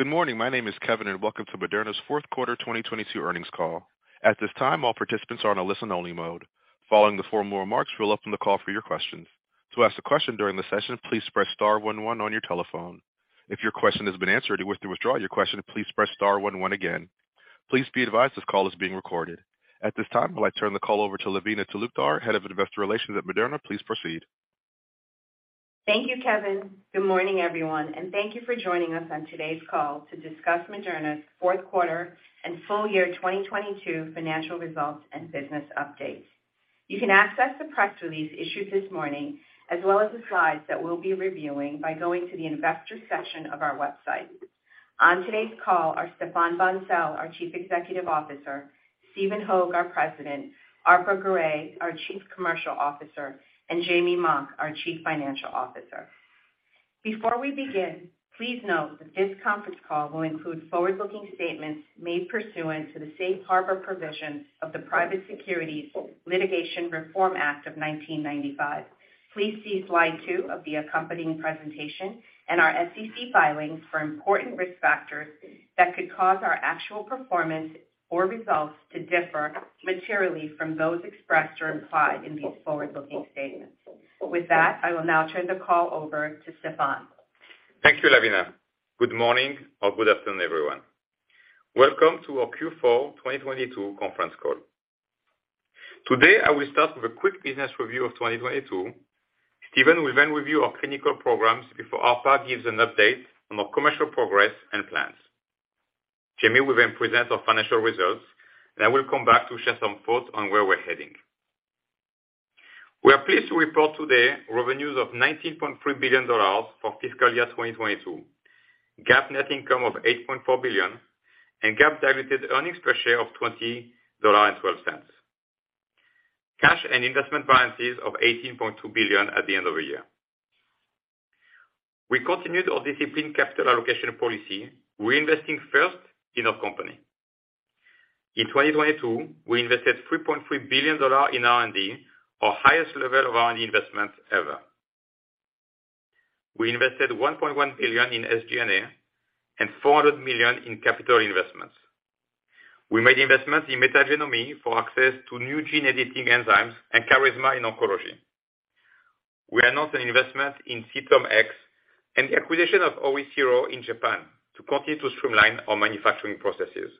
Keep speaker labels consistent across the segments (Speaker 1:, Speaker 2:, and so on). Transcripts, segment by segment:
Speaker 1: Good morning. My name is Kevin. Welcome to Moderna's fourth quarter 2022 earnings call. At this time, all participants are on a listen-only mode. Following the formal remarks, we'll open the call for your questions. To ask a question during the session, please press star one one on your telephone. If your question has been answered and you wish to withdraw your question, please press star one one again. Please be advised this call is being recorded. At this time, I'd like to turn the call over to Lavina Talukdar, Head of Investor Relations at Moderna. Please proceed.
Speaker 2: Thank you, Kevin. Good morning, everyone. Thank you for joining us on today's call to discuss Moderna's fourth quarter and full year 2022 financial results and business update. You can access the press release issued this morning as well as the slides that we'll be reviewing by going to the investor section of our website. On today's call are Stéphane Bancel, our Chief Executive Officer, Stephen Hoge, our President, Arpa Garay, our Chief Commercial Officer, and Jamey Mock, our Chief Financial Officer. Before we begin, please note that this conference call will include forward-looking statements made pursuant to the safe harbor provisions of the Private Securities Litigation Reform Act of 1995. Please see slide 2 of the accompanying presentation and our SEC filings for important risk factors that could cause our actual performance or results to differ materially from those expressed or implied in these forward-looking statements. With that, I will now turn the call over to Stéphane.
Speaker 3: Thank you, Lavina. Good morning or good afternoon, everyone. Welcome to our Q4 2022 conference call. Today, I will start with a quick business review of 2022. Stephen will then review our clinical programs before Arpa gives an update on our commercial progress and plans. Jamie will then present our financial results, and I will come back to share some thoughts on where we're heading. We are pleased to report today revenues of $19.3 billion for fiscal year 2022, GAAP net income of $8.4 billion, and GAAP diluted earnings per share of $20.12. Cash and investment balances of $18.2 billion at the end of the year. We continued our disciplined capital allocation policy, reinvesting first in our company. In 2022, we invested $3.3 billion in R&D, our highest level of R&D investment ever. We invested $1.1 billion in SG&A and $400 million in capital investments. We made investments in Metagenomi for access to new gene editing enzymes and Carisma in oncology. We announced an investment in CytomX and the acquisition of OriCiro in Japan to continue to streamline our manufacturing processes.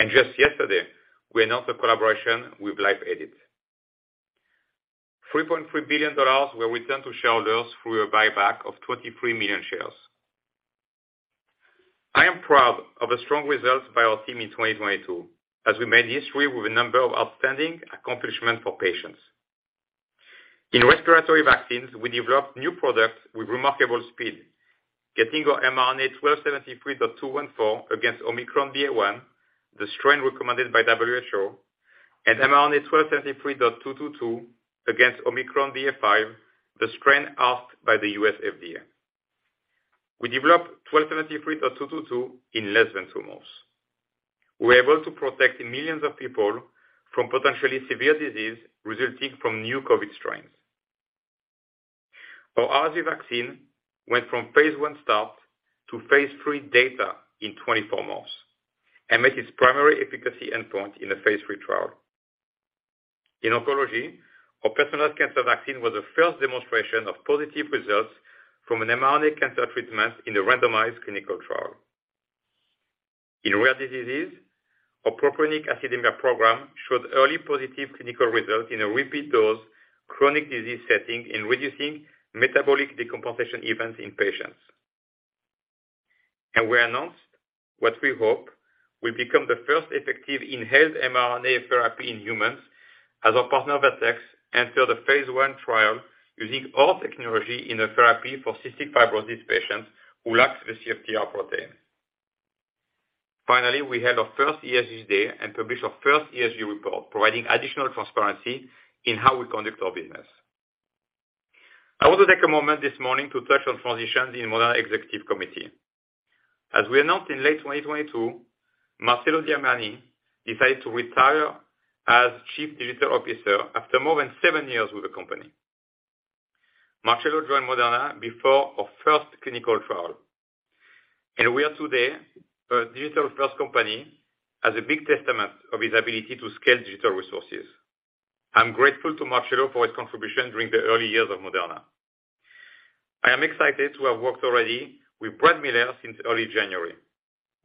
Speaker 3: Just yesterday, we announced a collaboration with Life Edit. $3.3 billion were returned to shareholders through a buyback of 23 million shares. I am proud of the strong results by our team in 2022, as we made history with a number of outstanding accomplishments for patients. In respiratory vaccines, we developed new products with remarkable speed, getting our mRNA-1273.214 against Omicron BA.1, the strain recommended by WHO, and mRNA-1273.222 against Omicron BA.5, the strain asked by the U.S. FDA. We developed 1273.222 in less than two months. We were able to protect millions of people from potentially severe disease resulting from new COVID strains. Our RSV vaccine went from phase I start to phase III data in 24 months and met its primary efficacy endpoint in a phase III trial. In oncology, our personalized cancer vaccine was the first demonstration of positive results from an mRNA cancer treatment in a randomized clinical trial. In rare diseases, our propionic acidemia program showed early positive clinical results in a repeat dose chronic disease setting in reducing metabolic decompensation events in patients. We announced what we hope will become the first effective inhaled mRNA therapy in humans as our partner, Vertex, entered phase I trial using our technology in a therapy for cystic fibrosis patients who lack the CFTR protein. Finally, we held our first ESG day and published our first ESG report, providing additional transparency in how we conduct our business. I want to take a moment this morning to touch on transitions in Moderna Executive Committee. As we announced in late 2022, Marcello Damiani decided to retire as Chief Digital Officer after more than seven years with the company. Marcello joined Moderna before our first clinical trial, and we are today a digital-first company as a big testament of his ability to scale digital resources. I'm grateful to Marcello for his contribution during the early years of Moderna. I am excited to have worked already with Brad Miller since early January.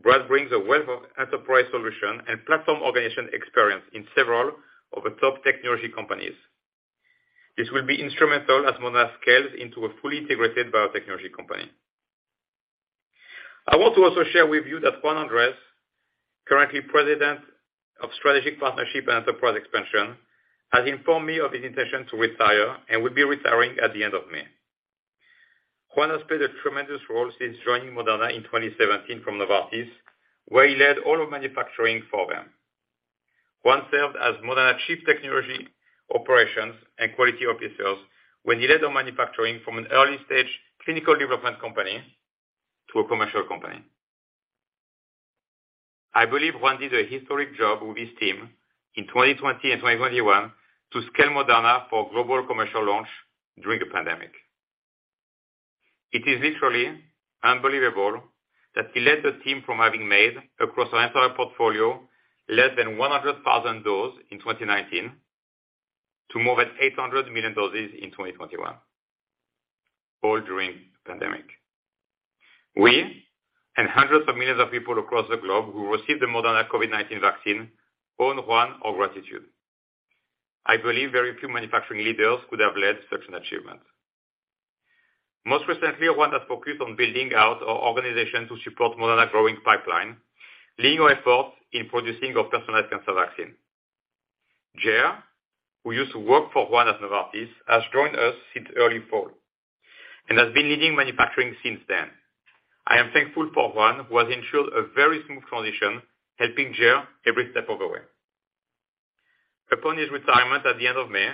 Speaker 3: Brad brings a wealth of enterprise solution and platform organization experience in several of the top technology companies. This will be instrumental as Moderna scales into a fully integrated biotechnology company. I want to also share with you that Juan Andres, currently President of Strategic Partnerships and Enterprise Expansion, has informed me of his intention to retire and will be retiring at the end of May. Juan has played a tremendous role since joining Moderna in 2017 from Novartis, where he led all our manufacturing for them. Juan served as Moderna Chief Technical Operations and Quality Officer when he led our manufacturing from an early-stage clinical development company to a commercial scale. I believe Juan did a historic job with his team in 2020 and 2021 to scale Moderna for global commercial launch during the pandemic. It is literally unbelievable that he led the team from having made across our entire portfolio less than 100,000 dose in 2019 to more than 800 million doses in 2021, all during the pandemic. We and hundreds of millions of people across the globe who received the Moderna COVID-19 vaccine owe Juan our gratitude. I believe very few manufacturing leaders could have led such an achievement. Most recently, Juan has focused on building out our organization to support Moderna growing pipeline, leading our efforts in producing our personalized cancer vaccine. Jer, who used to work for Juan at Novartis, has joined us since early fall and has been leading manufacturing since then. I am thankful for Juan, who has ensured a very smooth transition, helping Jer every step of the way. Upon his retirement at the end of May,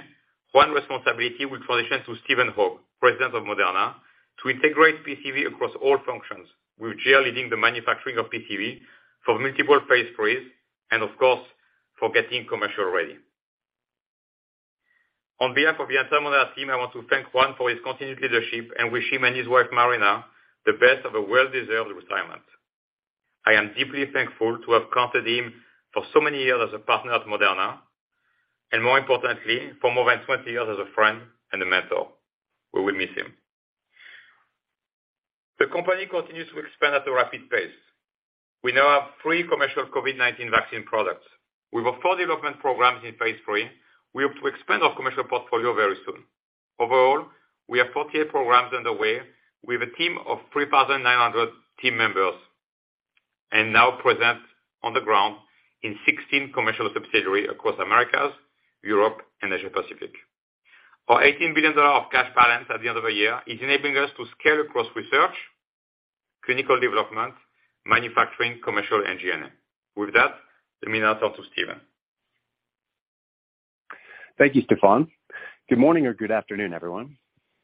Speaker 3: Juan responsibility will transition to Stephen Hoge, President of Moderna, to integrate PCV across all functions, with Jer leading the manufacturing of PCV for multiple phase III and of course, for getting commercial ready. On behalf of the entire Moderna team, I want to thank Juan for his continued leadership and wish him and his wife, Marina, the best of a well-deserved retirement. I am deeply thankful to have counted him for so many years as a partner at Moderna, and more importantly, for more than 20 years as a friend and a mentor. We will miss him. The company continues to expand at a rapid pace. We now have three commercial COVID-19 vaccine products. With our four development programs in phase III, we hope to expand our commercial portfolio very soon. Overall, we have 48 programs underway with a team of 3,900 team members and now present on the ground in 16 commercial subsidiaries across Americas, Europe, and Asia Pacific. Our $18 billion of cash balance at the end of the year is enabling us to scale across research, clinical development, manufacturing, commercial, and G&A. With that, let me now turn to Stephen.
Speaker 4: Thank you, Stéphane. Good morning or good afternoon, everyone.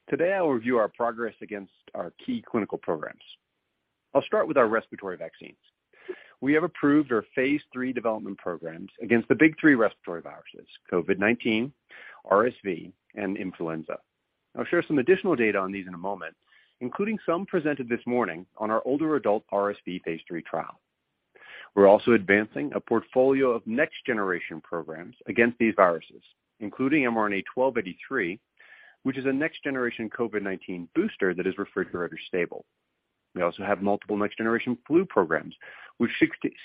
Speaker 4: Today, I'll review our progress against our key clinical programs. I'll start with our respiratory vaccines. We have approved our phase III development programs against the big three respiratory viruses, COVID-19, RSV, and influenza. I'll share some additional data on these in a moment, including some presented this morning on our older adult RSV phase III trial. We're also advancing a portfolio of next-generation programs against these viruses, including mRNA-1283, which is a next-generation COVID-19 booster that is refrigerator stable. We also have multiple next-generation flu programs, which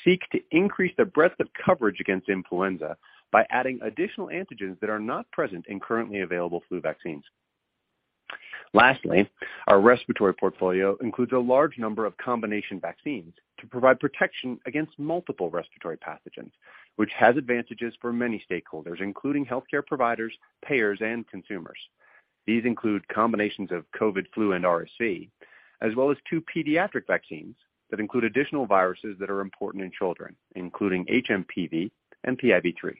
Speaker 4: seek to increase the breadth of coverage against influenza by adding additional antigens that are not present in currently available flu vaccines. Lastly, our respiratory portfolio includes a large number of combination vaccines to provide protection against multiple respiratory pathogens, which has advantages for many stakeholders, including healthcare providers, payers, and consumers. These include combinations of COVID flu and RSV, as well as two pediatric vaccines that include additional viruses that are important in children, including hMPV and PIV3.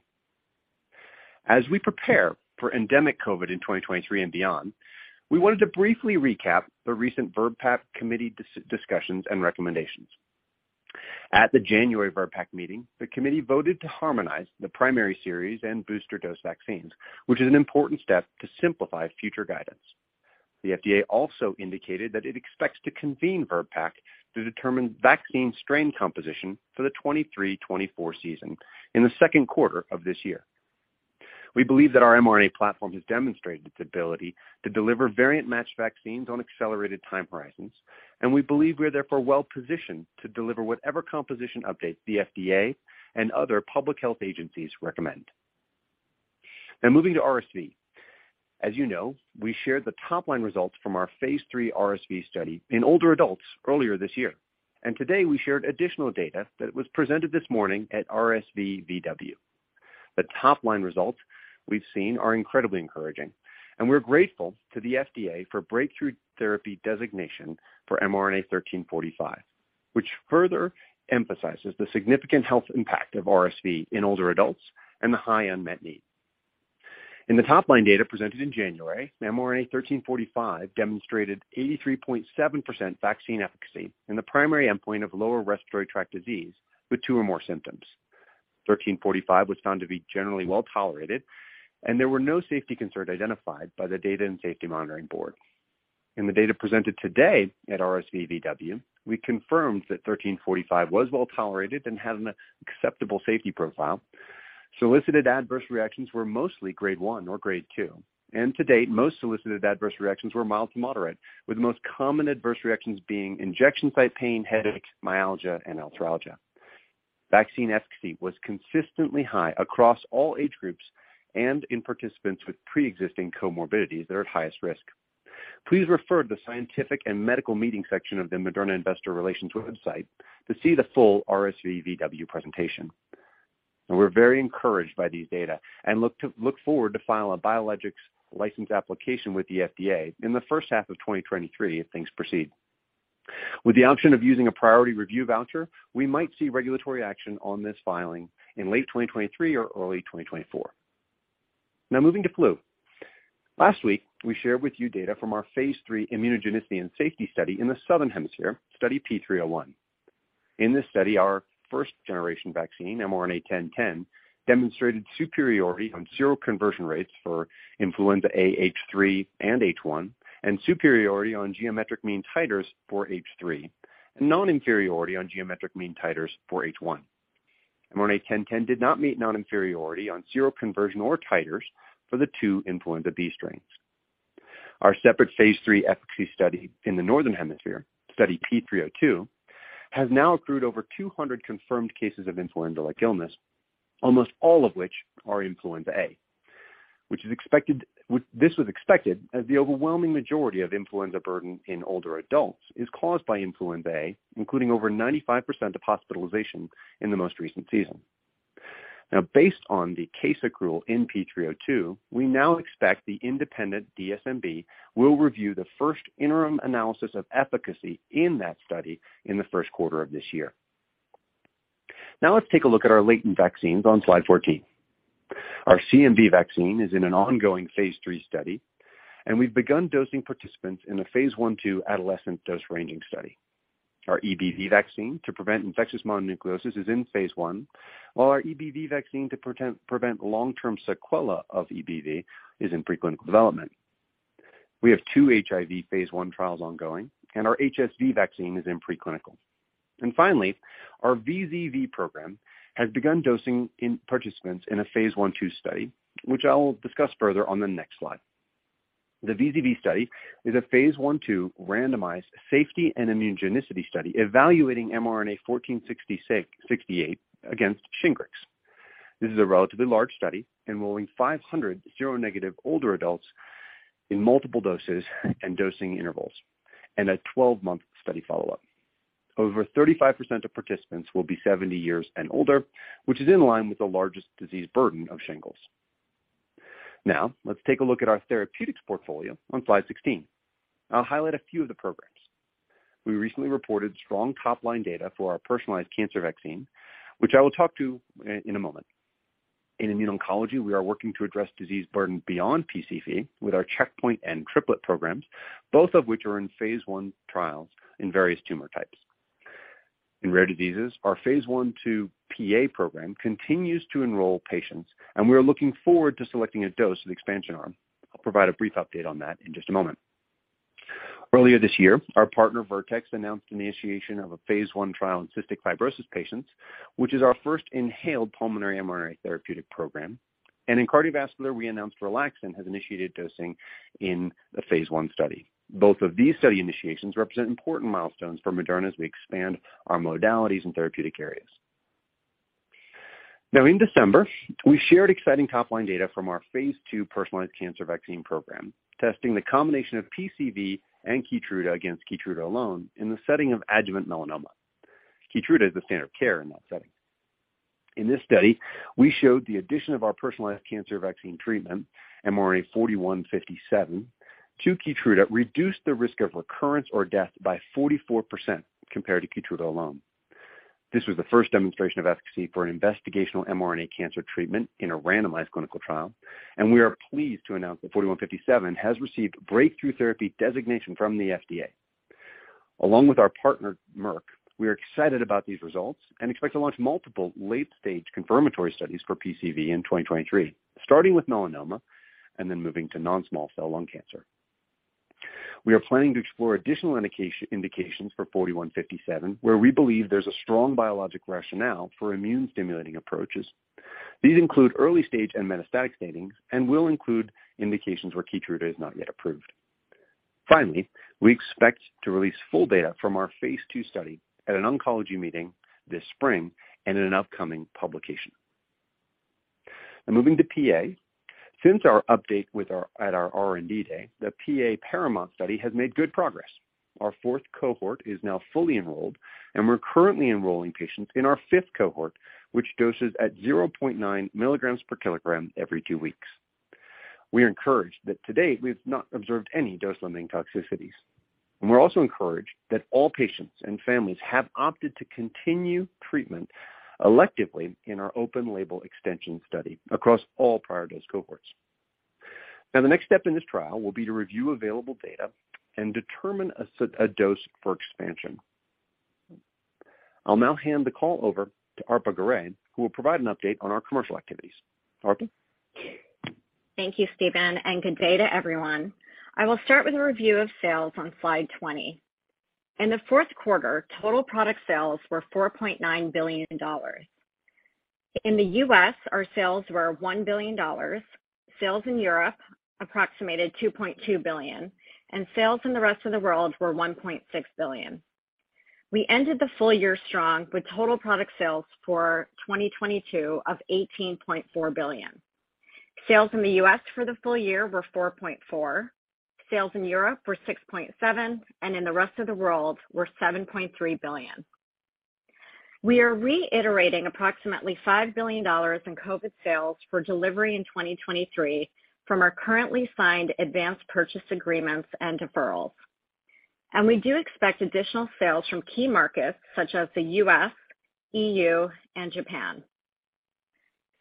Speaker 4: As we prepare for endemic COVID in 2023 and beyond, we wanted to briefly recap the recent VRBPAC committee discussions and recommendations. At the January VRBPAC meeting, the committee voted to harmonize the primary series and booster dose vaccines, which is an important step to simplify future guidance. The FDA also indicated that it expects to convene VRBPAC to determine vaccine strain composition for the 2023-2024 season in the second quarter of this year. We believe that our mRNA platform has demonstrated its ability to deliver variant-matched vaccines on accelerated time horizons, we believe we are therefore well-positioned to deliver whatever composition updates the FDA and other public health agencies recommend. Now moving to RSV. As you know, we shared the top-line results from our phase III RSV study in older adults earlier this year. Today, we shared additional data that was presented this morning at RSVVW. The top-line results we've seen are incredibly encouraging, and we're grateful to the FDA for Breakthrough Therapy designation for mRNA-1345, which further emphasizes the significant health impact of RSV in older adults and the high unmet need. In the top-line data presented in January, mRNA-1345 demonstrated 83.7% vaccine efficacy in the primary endpoint of lower respiratory tract disease with two or more symptoms. mRNA-1345 was found to be generally well-tolerated, and there were no safety concerns identified by the Data and Safety Monitoring Board. In the data presented today at RSVVW, we confirmed that mRNA-1345 was well-tolerated and has an acceptable safety profile. Solicited adverse reactions were mostly grade 1 or grade 2, and to date, most solicited adverse reactions were mild to moderate, with the most common adverse reactions being injection site pain, headaches, myalgia, and arthralgia. Vaccine efficacy was consistently high across all age groups and in participants with pre-existing comorbidities that are at highest risk. Please refer to the scientific and medical meeting section of the Moderna investor relations website to see the full RSVVW presentation. We're very encouraged by these data and look forward to file a Biologics License Application with the FDA in the first half of 2023 if things proceed. With the option of using a Priority Review Voucher, we might see regulatory action on this filing in late 2023 or early 2024. Moving to flu. Last week, we shared with you data from our phase III immunogenicity and safety study in the Southern Hemisphere, study P301. In this study, our first generation vaccine, mRNA-1010, demonstrated superiority on seroconversion rates for influenza A H3 and H1 and superiority on geometric mean titers for H3, and non-inferiority on geometric mean titers for H1. mRNA-1010 did not meet non-inferiority on seroconversion or titers for the two influenza B strains. Our separate phase III efficacy study in the Northern Hemisphere, study P302, has now accrued over 200 confirmed cases of influenza-like illness, almost all of which are influenza A. This was expected as the overwhelming majority of influenza burden in older adults is caused by influenza A, including over 95% of hospitalizations in the most recent season. Based on the case accrual in P302, we now expect the independent DSMB will review the first interim analysis of efficacy in that study in the first quarter of this year. Let's take a look at our latent vaccines on slide 14. Our CMV vaccine is in an ongoing phase III study, and we've begun dosing participants in a phase I/II adolescent dose-ranging study. Our EBV vaccine to prevent infectious mononucleosis is in phase I, while our EBV vaccine to prevent long-term sequelae of EBV is in preclinical development. We have two HIV phase I trials ongoing, our HSV vaccine is in preclinical. Finally, our VZV program has begun dosing in participants in a phase I/II study, which I will discuss further on the next slide. The VZV study is a phase I/II randomized safety and immunogenicity study evaluating mRNA-1468 against Shingrix. This is a relatively large study, enrolling 500 seronegative older adults in multiple doses and dosing intervals, and a 12-month study follow-up. Over 35% of participants will be 70 years and older, which is in line with the largest disease burden of shingles. Now let's take a look at our therapeutics portfolio on slide 16. I'll highlight a few of the programs. We recently reported strong top-line data for our personalized cancer vaccine, which I will talk to in a moment. In immune oncology, we are working to address disease burden beyond PCV with our checkpoint and triplet programs, both of which are in phase I trials in various tumor types. In rare diseases, our phase I/II PA program continues to enroll patients, and we are looking forward to selecting a dose of the expansion arm. I'll provide a brief update on that in just a moment. Earlier this year, our partner Vertex announced initiation of phase I trial in cystic fibrosis patients, which is our first inhaled pulmonary mRNA therapeutic program. In cardiovascular, we announced Relaxin has initiated dosing in phase I study. Both of these study initiations represent important milestones for Moderna as we expand our modalities in therapeutic areas. In December, we shared exciting top-line data from our phase II personalized cancer vaccine program, testing the combination of PCV and Keytruda against Keytruda alone in the setting of adjuvant melanoma. Keytruda is the standard of care in that setting. In this study, we showed the addition of our personalized cancer vaccine treatment, mRNA-4157, to Keytruda reduced the risk of recurrence or death by 44% compared to Keytruda alone. This was the first demonstration of efficacy for an investigational mRNA cancer treatment in a randomized clinical trial, we are pleased to announce that 4157 has received Breakthrough Therapy designation from the FDA. Along with our partner Merck, we are excited about these results and expect to launch multiple late-stage confirmatory studies for PCV in 2023, starting with melanoma and then moving to non-small cell lung cancer. We are planning to explore additional indications for mRNA-4157, where we believe there's a strong biologic rationale for immune-stimulating approaches. These include early-stage and metastatic standings and will include indications where Keytruda is not yet approved. We expect to release full data from our phase II study at an oncology meeting this spring and in an upcoming publication. Moving to PA. Since our update at our R&D day, the PA Paramount study has made good progress. Our fourth cohort is now fully enrolled, and we're currently enrolling patients in our fifth cohort, which doses at 0.9 milligrams per kilogram every II weeks. We are encouraged that to date, we've not observed any dose-limiting toxicities. We're also encouraged that all patients and families have opted to continue treatment electively in our open label extension study across all prior dose cohorts. Now the next step in this trial will be to review available data and determine a dose for expansion. I'll now hand the call over to Arpa Garay, who will provide an update on our commercial activities. Arpa?
Speaker 5: Thank you, Stephen, and good day to everyone. I will start with a review of sales on slide 20. In the fourth quarter, total product sales were $4.9 billion. In the U.S., our sales were $1 billion. Sales in Europe approximated $2.2 billion, and sales in the rest of the world were $1.6 billion. We ended the full year strong with total product sales for 2022 of $18.4 billion. Sales in the U.S. for the full year were $4.4 billion, sales in Europe were $6.7 billion, and in the rest of the world were $7.3 billion. We are reiterating approximately $5 billion in COVID sales for delivery in 2023 from our currently signed advanced purchase agreements and deferrals. We do expect additional sales from key markets such as the U.S., EU, and Japan.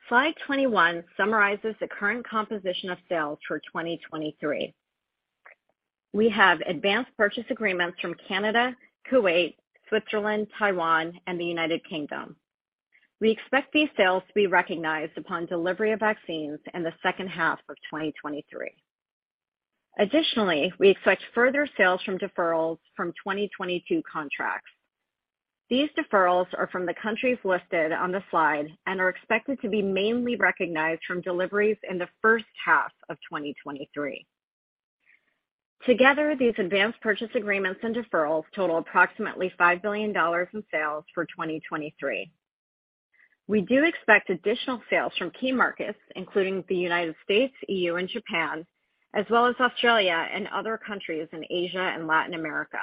Speaker 5: Slide 21 summarizes the current composition of sales for 2023. We have advanced purchase agreements from Canada, Kuwait, Switzerland, Taiwan, and the United Kingdom. We expect these sales to be recognized upon delivery of vaccines in the second half of 2023. We expect further sales from deferrals from 2022 contracts. These deferrals are from the countries listed on the slide and are expected to be mainly recognized from deliveries in the first half of 2023. These advanced purchase agreements and deferrals total approximately $5 billion in sales for 2023. We do expect additional sales from key markets, including the U.S., EU, and Japan, as well as Australia and other countries in Asia and Latin America.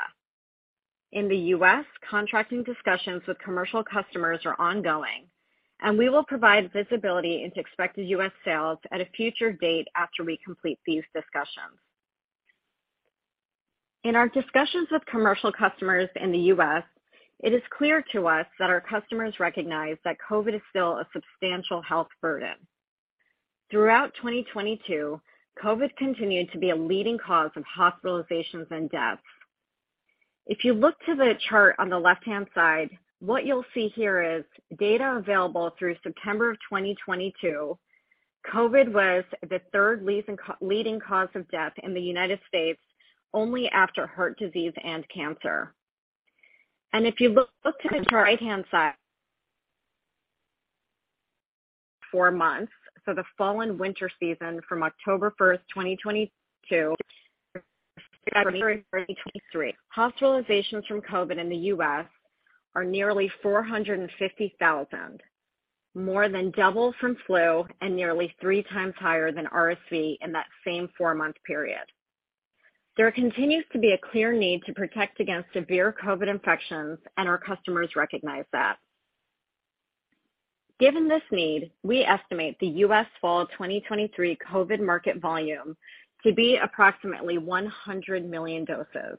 Speaker 5: In the U.S., contracting discussions with commercial customers are ongoing, and we will provide visibility into expected U.S. sales at a future date after we complete these discussions. In our discussions with commercial customers in the U.S., it is clear to us that our customers recognize that COVID is still a substantial health burden. Throughout 2022, COVID continued to be a leading cause of hospitalizations and deaths. If you look to the chart on the left-hand side, what you'll see here is data available through September of 2022, COVID was the third leading cause of death in the United States, only after heart disease and cancer. If you look to the right-hand side for months, so the fall and winter season from October 1st, 2022 to February 2023, hospitalizations from COVID in the U.S. are nearly 450,000, more than double from flu and nearly three times higher than RSV in that same four-month period. There continues to be a clear need to protect against severe COVID infections, and our customers recognize that. Given this need, we estimate the U.S. fall 2023 COVID market volume to be approximately 100 million doses.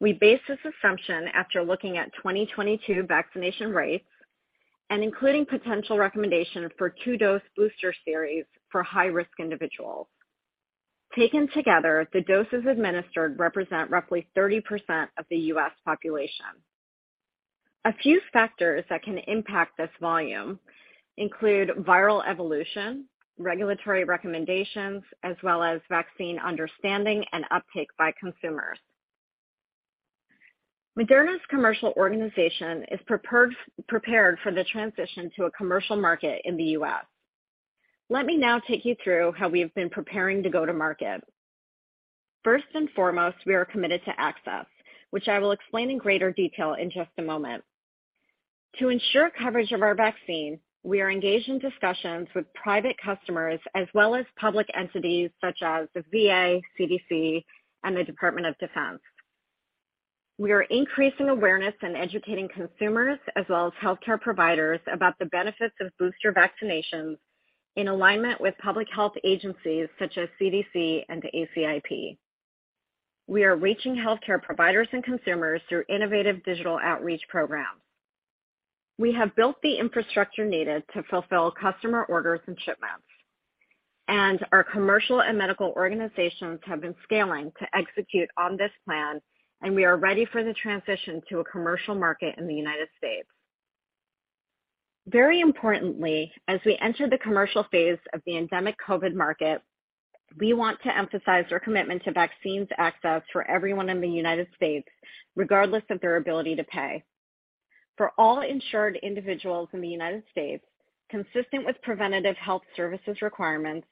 Speaker 5: We based this assumption after looking at 2022 vaccination rates and including potential recommendation for 2-dose booster series for high-risk individuals. Taken together, the doses administered represent roughly 30% of the U.S. population. A few factors that can impact this volume include viral evolution, regulatory recommendations, as well as vaccine understanding and uptake by consumers. Moderna's commercial organization is prepared for the transition to a commercial market in the U.S. Let me now take you through how we have been preparing to go to market. First and foremost, we are committed to access, which I will explain in greater detail in just a moment. To ensure coverage of our vaccine, we are engaged in discussions with private customers as well as public entities such as the VA, CDC, and the Department of Defense. We are increasing awareness and educating consumers as well as healthcare providers about the benefits of booster vaccinations in alignment with public health agencies such as CDC and the ACIP. We are reaching healthcare providers and consumers through innovative digital outreach programs. We have built the infrastructure needed to fulfill customer orders and shipments. Our commercial and medical organizations have been scaling to execute on this plan, and we are ready for the transition to a commercial market in the United States. Very importantly, as we enter the commercial phase of the endemic COVID market, we want to emphasize our commitment to vaccines access for everyone in the United States, regardless of their ability to pay. For all insured individuals in the United States, consistent with preventive health services requirements,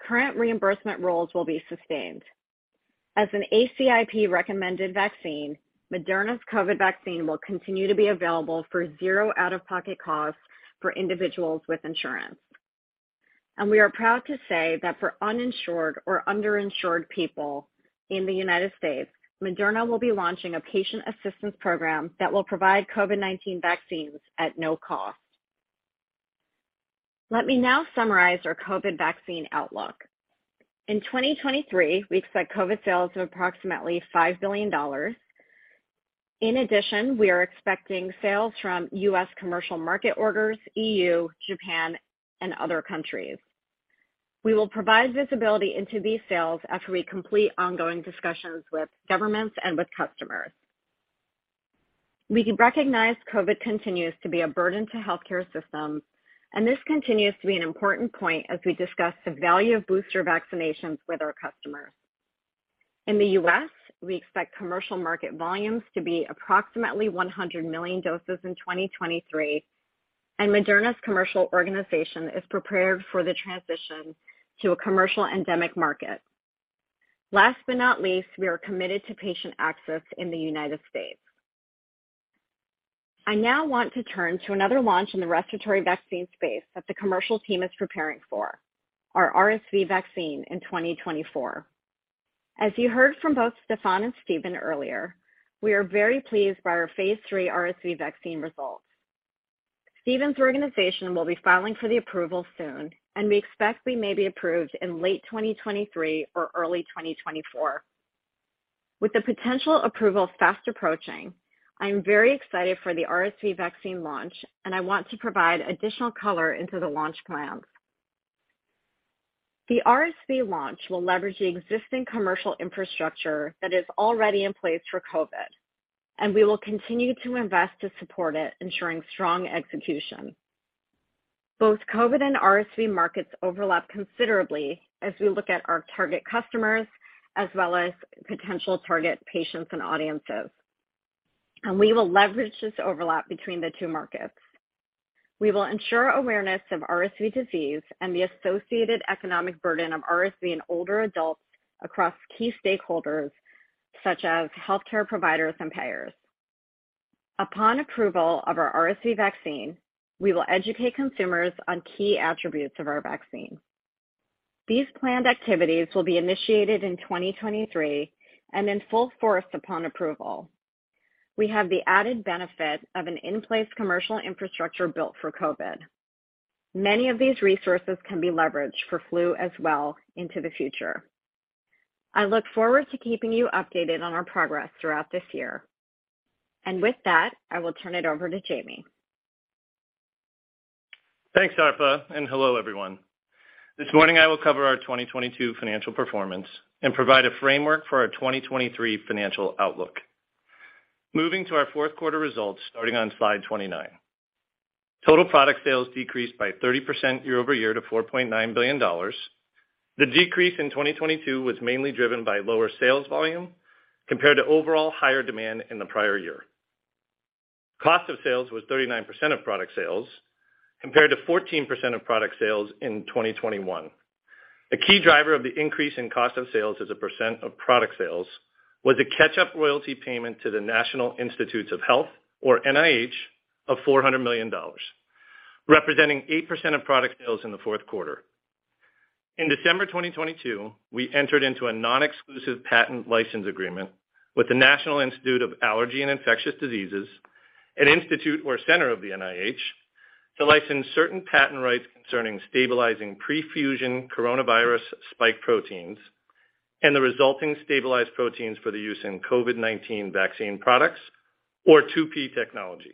Speaker 5: current reimbursement roles will be sustained. As an ACIP-recommended vaccine, Moderna's COVID vaccine will continue to be available for zero out-of-pocket costs for individuals with insurance. We are proud to say that for uninsured or underinsured people in the United States, Moderna will be launching a patient assistance program that will provide COVID-19 vaccines at no cost. Let me now summarize our COVID vaccine outlook. In 2023, we expect COVID sales of approximately $5 billion. In addition, we are expecting sales from U.S. commercial market orders, EU, Japan, and other countries. We will provide visibility into these sales after we complete ongoing discussions with governments and with customers. We recognize COVID continues to be a burden to healthcare systems. This continues to be an important point as we discuss the value of booster vaccinations with our customers. In the U.S., we expect commercial market volumes to be approximately 100 million doses in 2023, and Moderna's commercial organization is prepared for the transition to a commercial endemic market. Last but not least, we are committed to patient access in the United States. I now want to turn to another launch in the respiratory vaccine space that the commercial team is preparing for: our RSV vaccine in 2024. As you heard from both Stéphane and Stephen earlier, we are very pleased by our phase III RSV vaccine results. Stephen's organization will be filing for the approval soon, and we expect we may be approved in late 2023 or early 2024. With the potential approval fast approaching, I am very excited for the RSV vaccine launch. I want to provide additional color into the launch plans. The RSV launch will leverage the existing commercial infrastructure that is already in place for COVID. We will continue to invest to support it, ensuring strong execution. Both COVID and RSV markets overlap considerably as we look at our target customers as well as potential target patients and audiences. We will leverage this overlap between the two markets. We will ensure awareness of RSV disease and the associated economic burden of RSV in older adults across key stakeholders such as healthcare providers and payers. Upon approval of our RSV vaccine, we will educate consumers on key attributes of our vaccine. These planned activities will be initiated in 2023 and in full force upon approval. We have the added benefit of an in-place commercial infrastructure built for COVID. Many of these resources can be leveraged for flu as well into the future. I look forward to keeping you updated on our progress throughout this year. With that, I will turn it over to Jamey.
Speaker 6: Thanks, Arpa. Hello, everyone. This morning I will cover our 2022 financial performance and provide a framework for our 2023 financial outlook. Moving to our fourth quarter results starting on slide 29. Total product sales decreased by 30% year-over-year to $4.9 billion. The decrease in 2022 was mainly driven by lower sales volume compared to overall higher demand in the prior year. Cost of sales was 39% of product sales, compared to 14% of product sales in 2021. A key driver of the increase in cost of sales as a percent of product sales was a catch-up royalty payment to the National Institutes of Health, or NIH, of $400 million, representing 8% of product sales in the fourth quarter. In December 2022, we entered into a non-exclusive patent license agreement with the National Institute of Allergy and Infectious Diseases, an institute or center of the NIH, to license certain patent rights concerning stabilizing pre-fusion coronavirus spike proteins and the resulting stabilized proteins for the use in COVID-19 vaccine products or 2P technology.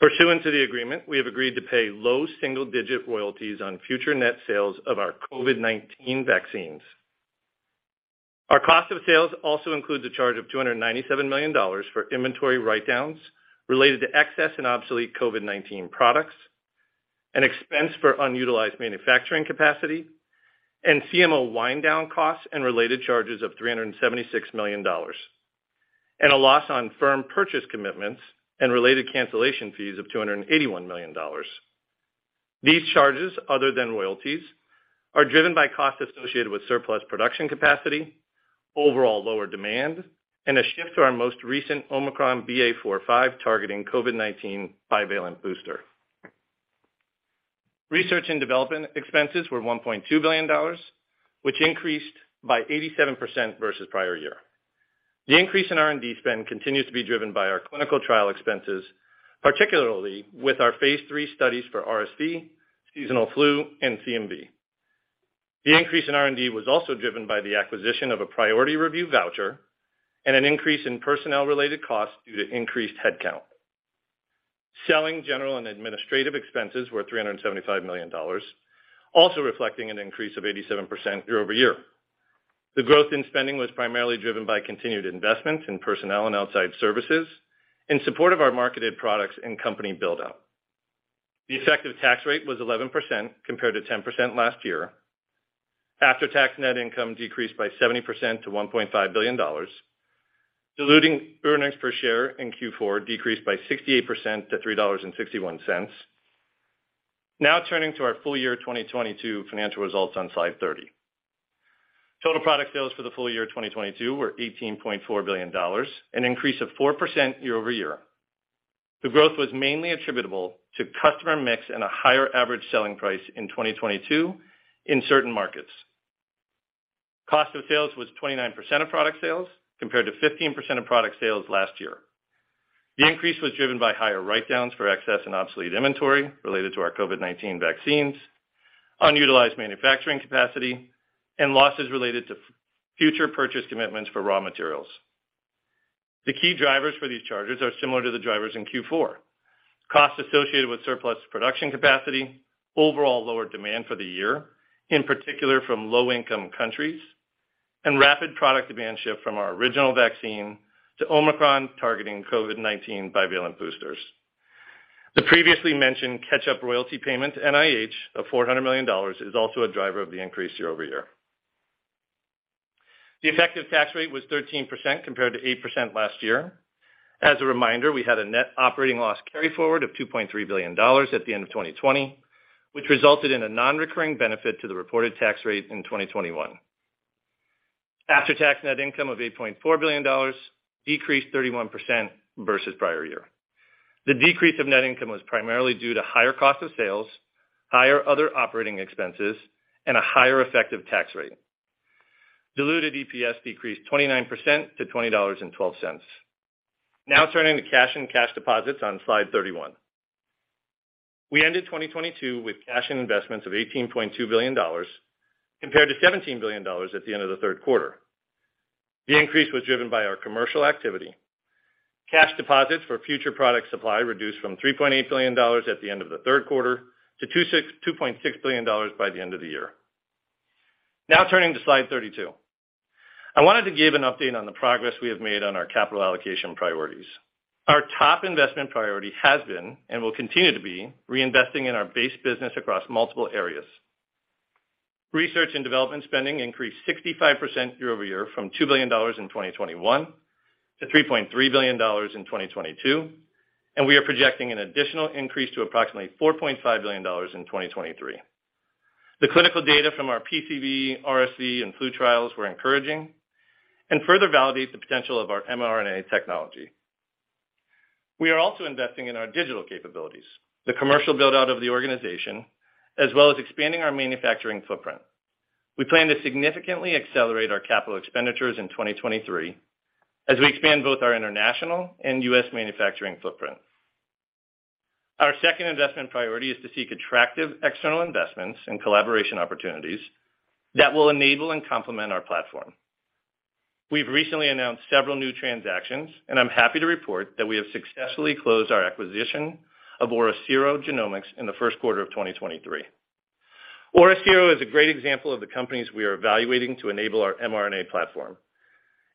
Speaker 6: Pursuant to the agreement, we have agreed to pay low single-digit royalties on future net sales of our COVID-19 vaccines. Our cost of sales also includes a charge of $297 million for inventory write-downs related to excess and obsolete COVID-19 products, an expense for unutilized manufacturing capacity, and CMO wind down costs and related charges of $376 million, and a loss on firm purchase commitments and related cancellation fees of $281 million. These charges, other than royalties, are driven by costs associated with surplus production capacity, overall lower demand, and a shift to our most recent Omicron BA.4/BA.5 targeting COVID-19 bivalent booster. Research and development expenses were $1.2 billion, which increased by 87% versus prior year. The increase in R&D spend continues to be driven by our clinical trial expenses, particularly with our phase III studies for RSV, seasonal flu, and CMV. The increase in R&D was also driven by the acquisition of a Priority Review Voucher and an increase in personnel-related costs due to increased headcount. Selling, general, and administrative expenses were $375 million, also reflecting an increase of 87% year-over-year. The growth in spending was primarily driven by continued investments in personnel and outside services in support of our marketed products and company build-out. The effective tax rate was 11%, compared to 10% last year. After-tax net income decreased by 70% to $1.5 billion. Diluting earnings per share in Q4 decreased by 68% to $3.61. Now turning to our full year 2022 financial results on slide 30. Total product sales for the full year 2022 were $18.4 billion, an increase of 4% year-over-year. The growth was mainly attributable to customer mix and a higher average selling price in 2022 in certain markets. Cost of sales was 29% of product sales, compared to 15% of product sales last year. The increase was driven by higher write-downs for excess and obsolete inventory related to our COVID-19 vaccines, unutilized manufacturing capacity, and losses related to future purchase commitments for raw materials. The key drivers for these charges are similar to the drivers in Q4. Costs associated with surplus production capacity, overall lower demand for the year, in particular from low-income countries, and rapid product demand shift from our original vaccine to Omicron-targeting COVID-19 bivalent boosters. The previously mentioned catch-up royalty payment to NIH of $400 million is also a driver of the increase year-over-year. The effective tax rate was 13%, compared to 8% last year. As a reminder, we had a net operating loss carryforward of $2.3 billion at the end of 2020, which resulted in a non-recurring benefit to the reported tax rate in 2021. After-tax net income of $8.4 billion decreased 31% versus prior year. The decrease of net income was primarily due to higher cost of sales, higher other operating expenses, and a higher effective tax rate. Diluted EPS decreased 29% to $20.12. Turning to cash and cash deposits on slide 31. We ended 2022 with cash and investments of $18.2 billion compared to $17 billion at the end of the third quarter. The increase was driven by our commercial activity. Cash deposits for future product supply reduced from $3.8 billion at the end of the third quarter to $2.6 billion by the end of the year. Turning to slide 32. I wanted to give an update on the progress we have made on our capital allocation priorities. Our top investment priority has been and will continue to be reinvesting in our base business across multiple areas. Research and development spending increased 65% year-over-year from $2 billion in 2021 to $3.3 billion in 2022. We are projecting an additional increase to approximately $4.5 billion in 2023. The clinical data from our PCV, RSV, and flu trials were encouraging and further validates the potential of our mRNA technology. We are also investing in our digital capabilities, the commercial build-out of the organization, as well as expanding our manufacturing footprint. We plan to significantly accelerate our CapEx in 2023 as we expand both our international and U.S. manufacturing footprint. Our second investment priority is to seek attractive external investments and collaboration opportunities that will enable and complement our platform. We've recently announced several new transactions. I'm happy to report that we have successfully closed our acquisition of OriCiro Genomics in the first quarter of 2023. OriCiro is a great example of the companies we are evaluating to enable our mRNA platform.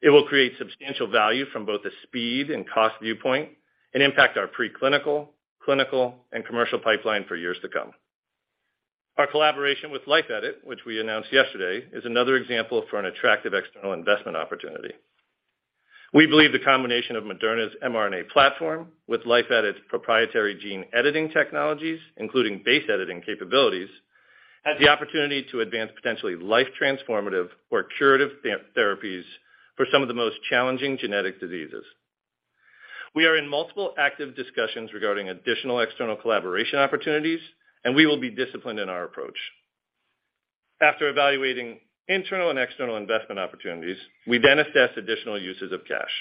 Speaker 6: It will create substantial value from both a speed and cost viewpoint and impact our preclinical, clinical, and commercial pipeline for years to come. Our collaboration with Life Edit, which we announced yesterday, is another example of an attractive external investment opportunity. We believe the combination of Moderna's mRNA platform with Life Edit's proprietary gene editing technologies, including base editing capabilities, has the opportunity to advance potentially life transformative or curative therapies for some of the most challenging genetic diseases. We are in multiple active discussions regarding additional external collaboration opportunities. We will be disciplined in our approach. After evaluating internal and external investment opportunities, we assess additional uses of cash.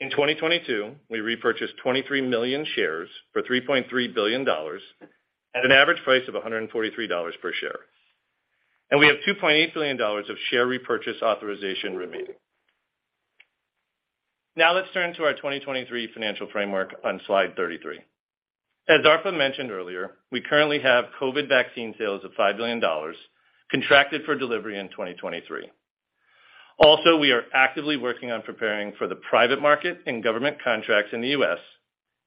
Speaker 6: In 2022, we repurchased 23 million shares for $3.3 billion at an average price of $143 per share. We have $2.8 billion of share repurchase authorization remaining. Let's turn to our 2023 financial framework on slide 33. As Arpa mentioned earlier, we currently have COVID vaccine sales of $5 billion contracted for delivery in 2023. We are actively working on preparing for the private market and government contracts in the U.S.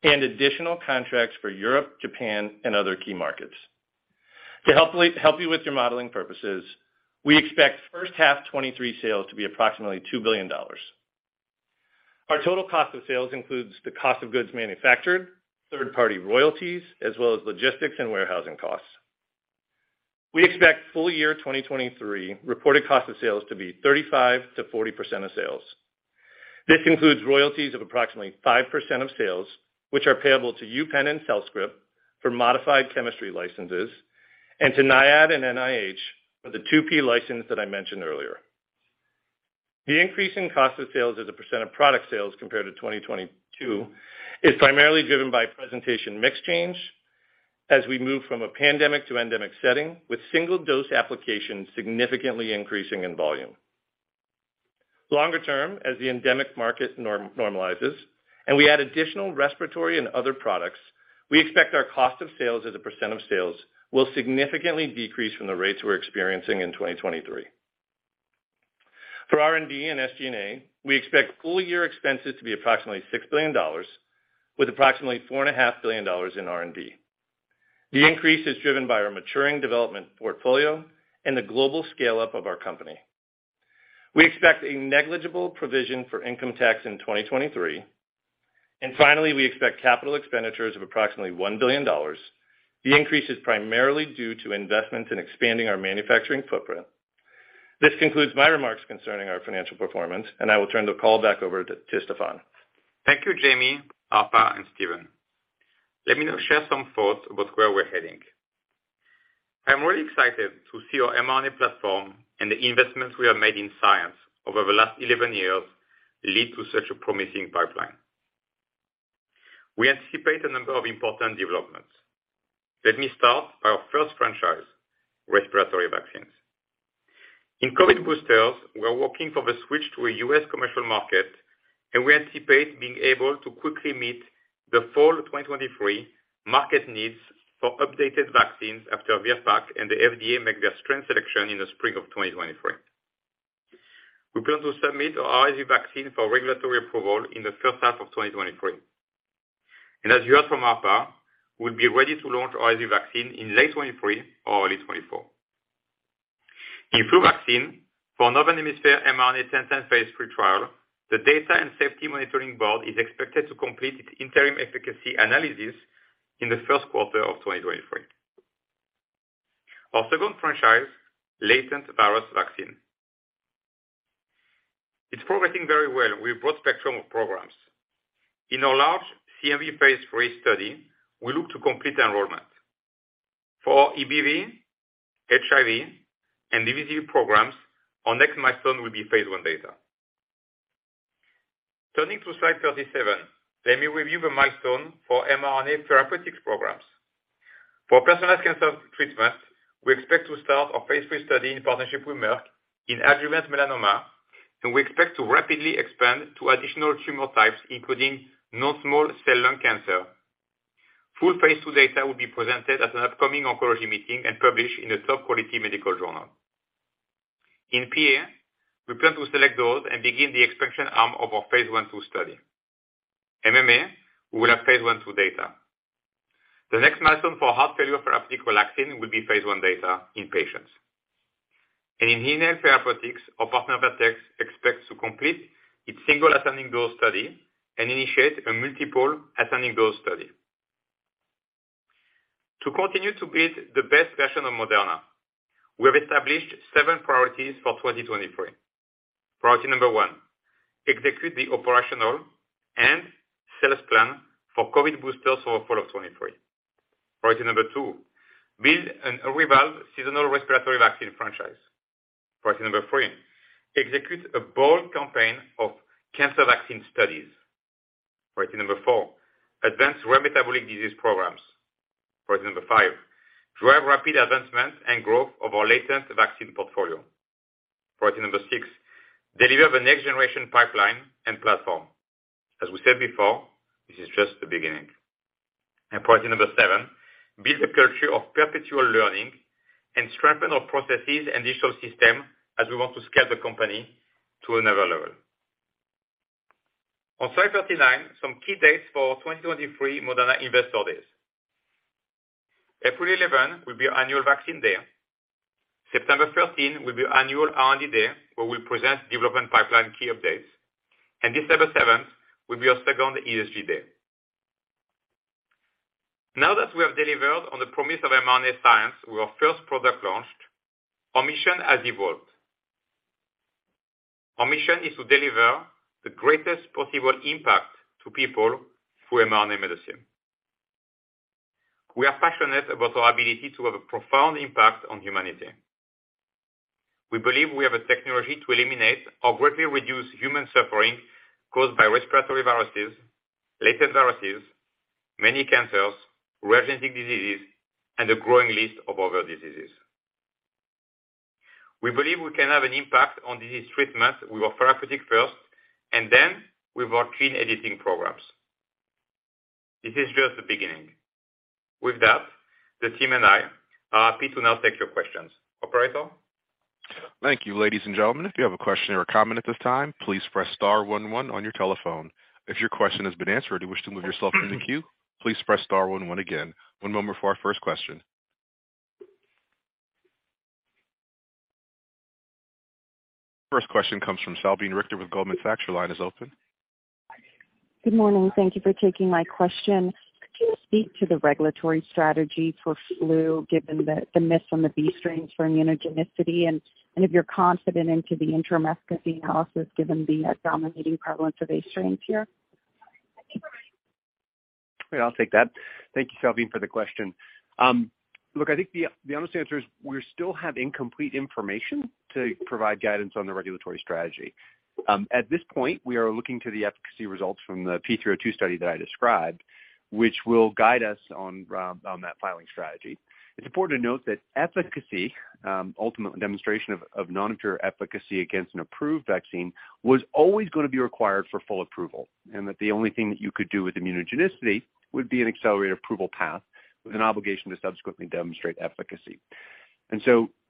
Speaker 6: and additional contracts for Europe, Japan, and other key markets. To help you with your modeling purposes, we expect first half 2023 sales to be approximately $2 billion. Our total cost of sales includes the cost of goods manufactured, third-party royalties, as well as logistics and warehousing costs. We expect full year 2023 reported cost of sales to be 35%-40% of sales. This includes royalties of approximately 5% of sales, which are payable to UPenn and Cellscript for modified chemistry licenses and to NIAID and NIH for the 2P license that I mentioned earlier. The increase in cost of sales as a percent of product sales compared to 2022 is primarily driven by presentation mix change as we move from a pandemic to endemic setting, with single-dose applications significantly increasing in volume. Longer term, as the endemic market normalizes and we add additional respiratory and other products, we expect our cost of sales as a percent of sales will significantly decrease from the rates we're experiencing in 2023. For R&D and SG&A, we expect full year expenses to be approximately $6 billion, with approximately four and a half billion dollars in R&D. The increase is driven by our maturing development portfolio and the global scale-up of our company. We expect a negligible provision for income tax in 2023. Finally, we expect capital expenditures of approximately $1 billion. The increase is primarily due to investments in expanding our manufacturing footprint. This concludes my remarks concerning our financial performance. I will turn the call back over to Stéphane.
Speaker 3: Thank you, Jamey, Arpa, and Stephen. Let me now share some thoughts about where we're heading. I'm really excited to see our mRNA platform and the investments we have made in science over the last 11 years lead to such a promising pipeline. We anticipate a number of important developments. Let me start by our first franchise, respiratory vaccines. In COVID boosters, we are working for the switch to a U.S. commercial market, and we anticipate being able to quickly meet the fall of 2023 market needs for updated vaccines after VRBPAC and the FDA make their strength selection in the spring of 2023. We plan to submit our IV vaccine for regulatory approval in the first half of 2023. As you heard from Arpa, we'll be ready to launch IV vaccine in late 2023 or early 2024. In flu vaccine for Northern Hemisphere mRNA-1010 phase III trial, the Data and Safety Monitoring Board is expected to complete its interim efficacy analysis in the first quarter of 2023. Our second franchise, latent virus vaccine. It's progressing very well with broad spectrum of programs. In our large CMV phase III study, we look to complete enrollment. For EBV, HIV, and CMV programs, our next milestone will be phase I data. Turning to slide 37, let me review the milestone for mRNA therapeutics programs. For personalized cancer treatment, we expect to start our phase III study in partnership with Merck in adjuvant melanoma. We expect to rapidly expand to additional tumor types, including non-small cell lung cancer. Full phase II data will be presented at an upcoming oncology meeting and published in a top quality medical journal. In PA, we plan to select those and begin the expansion arm of our phase I/II study. MMA, we will have phase I/II data. The next milestone for heart failure therapeutic Relaxin will be phase I data in patients. In inhale therapeutics, our partner Vertex expects to complete its single-ascending dose study and initiate a multiple ascending dose study. To continue to build the best version of Moderna, we have established 7 priorities for 2023. Priority number 1: execute the operational and sales plan for COVID boosters for fall of 2023. Priority number 2: build an evolved seasonal respiratory vaccine franchise. Priority number 3: execute a bold campaign of cancer vaccine studies. Priority number 4: advance rare metabolic disease programs. Priority number 5: drive rapid advancement and growth of our latent vaccine portfolio. Priority number 6: deliver the next generation pipeline and platform. As we said before, this is just the beginning. Priority number 7: build a culture of perpetual learning and strengthen our processes and digital system as we want to scale the company to another level. On slide 39, some key dates for 2023 Moderna Investor Days. April 11 will be our annual vaccine day. September 13 will be our annual R&D day, where we present development pipeline key updates. December 7th will be our second ESG day. Now that we have delivered on the promise of mRNA science with our first product launched, our mission has evolved. Our mission is to deliver the greatest possible impact to people through mRNA medicine. We are passionate about our ability to have a profound impact on humanity. We believe we have a technology to eliminate or greatly reduce human suffering caused by respiratory viruses, latent viruses, many cancers, rare genetic diseases, and a growing list of other diseases. We believe we can have an impact on disease treatment with our therapeutic first, then with our gene editing programs. This is just the beginning. With that, the team and I are happy to now take your questions. Operator?
Speaker 1: Thank you, ladies and gentlemen. If you have a question or a comment at this time, please press star one one on your telephone. If your question has been answered and you wish to remove yourself from the queue, please press star one one again. One moment for our first question. First question comes from Salveen Richter with Goldman Sachs. Your line is open.
Speaker 7: Good morning. Thank you for taking my question. Could you speak to the regulatory strategy for flu, given the miss on the B strains for immunogenicity? If you're confident into the interim efficacy analysis, given the dominating prevalence of A strains here?
Speaker 4: Yeah, I'll take that. Thank you, Salveen, for the question. Look, I think the honest answer is we still have incomplete information to provide guidance on the regulatory strategy. At this point, we are looking to the efficacy results from the P302 study that I described, which will guide us on that filing strategy. It's important to note that efficacy, ultimate demonstration of non-inferior efficacy against an approved vaccine was always gonna be required for full approval, and that the only thing that you could do with immunogenicity would be an accelerated approval path with an obligation to subsequently demonstrate efficacy.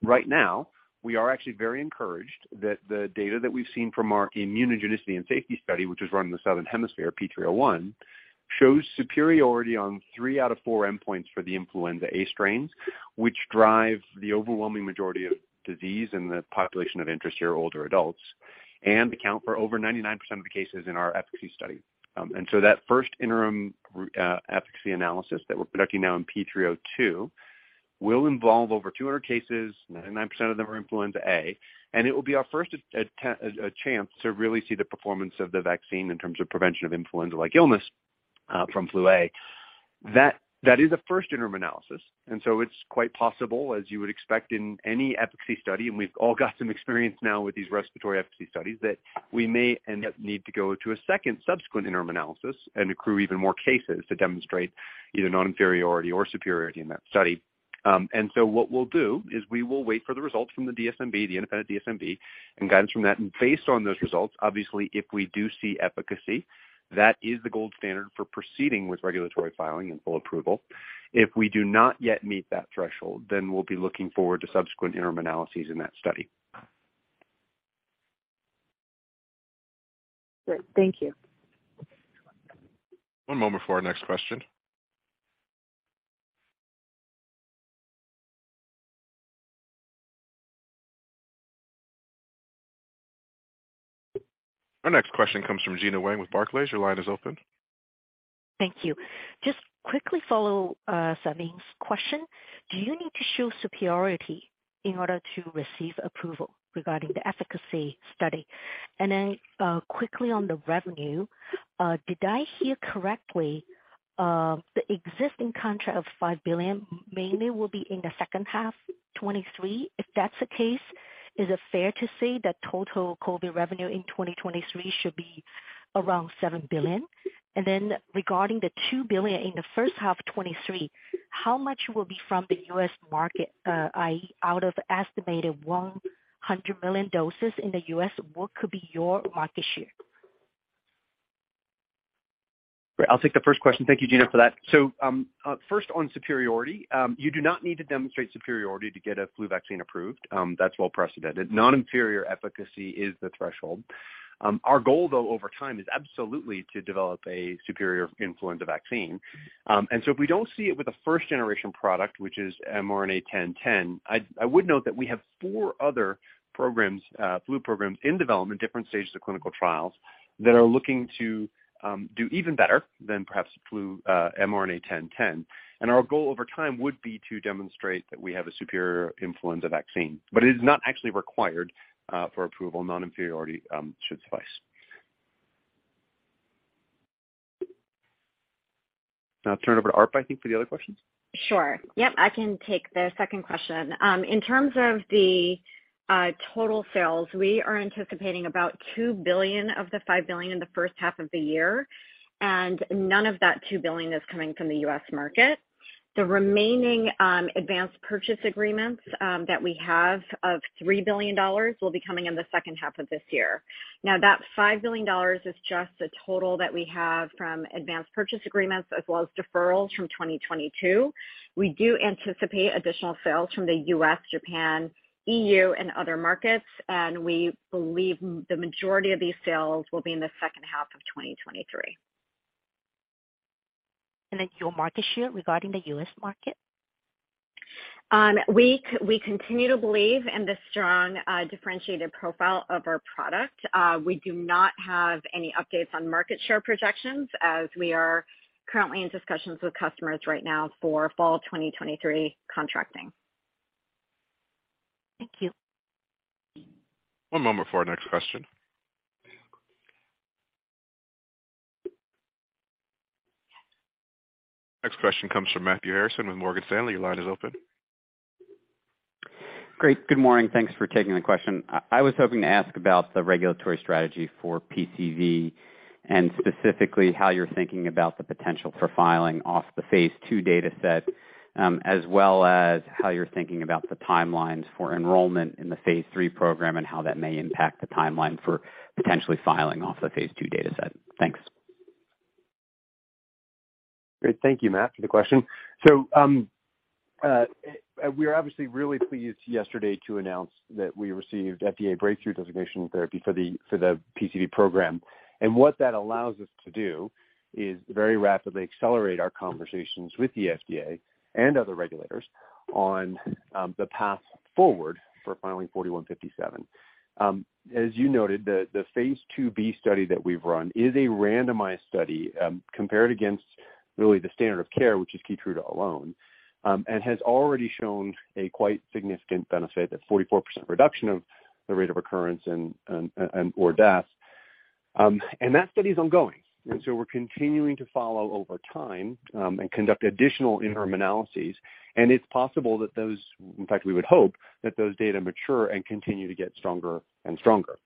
Speaker 4: Right now, we are actually very encouraged that the data that we've seen from our immunogenicity and safety study, which was run in the Southern Hemisphere, P301, shows superiority on 3 out of 4 endpoints for the influenza A strains, which drive the overwhelming majority of disease in the population of interest here, older adults, and account for over 99% of the cases in our efficacy study. That first interim efficacy analysis that we're producing now in P302 will involve over 200 cases, 99% of them are influenza A, and it will be our first a chance to really see the performance of the vaccine in terms of prevention of influenza-like illness from flu A. That is a first interim analysis, and so it's quite possible, as you would expect in any efficacy study, and we've all got some experience now with these respiratory efficacy studies, that we may end up need to go to a second subsequent interim analysis and accrue even more cases to demonstrate either non-inferiority or superiority in that study. What we'll do is we will wait for the results from the DSMB, the independent DSMB, and guidance from that. Based on those results, obviously, if we do see efficacy, that is the gold standard for proceeding with regulatory filing and full approval. If we do not yet meet that threshold, then we'll be looking forward to subsequent interim analyses in that study.
Speaker 7: Great. Thank you.
Speaker 1: One moment for our next question. Our next question comes from Gena Wang with Barclays. Your line is open.
Speaker 8: Thank you. Just quickly follow Salveen's question. Do you need to show superiority in order to receive approval regarding the efficacy study? Quickly on the revenue, did I hear correctly, the existing contract of $5 billion mainly will be in the second half 2023? If that's the case, is it fair to say that total COVID revenue in 2023 should be around $7 billion? Regarding the $2 billion in the first half of 2023, how much will be from the U.S. market, i.e., out of estimated 100 million doses in the U.S., what could be your market share?
Speaker 4: Great. I'll take the first question. Thank you, Gena, for that. First on superiority, you do not need to demonstrate superiority to get a flu vaccine approved, that's well precedented. Non-inferior efficacy is the threshold. Our goal, though, over time, is absolutely to develop a superior influenza vaccine. If we don't see it with a first-generation product, which is mRNA-1010, I would note that we have four other programs, flu programs in development, different stages of clinical trials, that are looking to do even better than perhaps flu mRNA-1010. Our goal over time would be to demonstrate that we have a superior influenza vaccine. It is not actually required for approval. Non-inferiority should suffice. I'll turn it over to Arpa, I think, for the other questions.
Speaker 5: Sure. Yep, I can take the second question. In terms of the total sales, we are anticipating about $2 billion of the $5 billion in the first half of the year. None of that $2 billion is coming from the U.S. market. The remaining advanced purchase agreements that we have of $3 billion will be coming in the second half of this year. That $5 billion is just a total that we have from advanced purchase agreements as well as deferrals from 2022. We do anticipate additional sales from the U.S., Japan, E.U., and other markets, and we believe the majority of these sales will be in the second half of 2023.
Speaker 8: Your market share regarding the U.S. market?
Speaker 5: We continue to believe in the strong, differentiated profile of our product. We do not have any updates on market share projections as we are currently in discussions with customers right now for fall of 2023 contracting.
Speaker 8: Thank you.
Speaker 1: One moment for our next question. Next question comes from Matthew Harrison with Morgan Stanley. Your line is open.
Speaker 9: Great. Good morning. Thanks for taking the question. I was hoping to ask about the regulatory strategy for PCV and specifically how you're thinking about the potential for filing off the phase II data set, as well as how you're thinking about the timelines for enrollment in the phase III program and how that may impact the timeline for potentially filing off the phase II data set. Thanks.
Speaker 4: Great. Thank you, Matt, for the question. We are obviously really pleased yesterday to announce that we received FDA Breakthrough Therapy designation therapy for the PCV program. What that allows us to do is very rapidly accelerate our conversations with the FDA and other regulators on the path forward for filing 4157. As you noted, the phase II-B study that we've run is a randomized study compared against really the standard of care, which is Keytruda alone, and has already shown a quite significant benefit, a 44% reduction of the rate of recurrence and/or death. That study is ongoing. We're continuing to follow over time and conduct additional interim analyses. It's possible that those, in fact, we would hope that those data mature and continue to get stronger and stronger.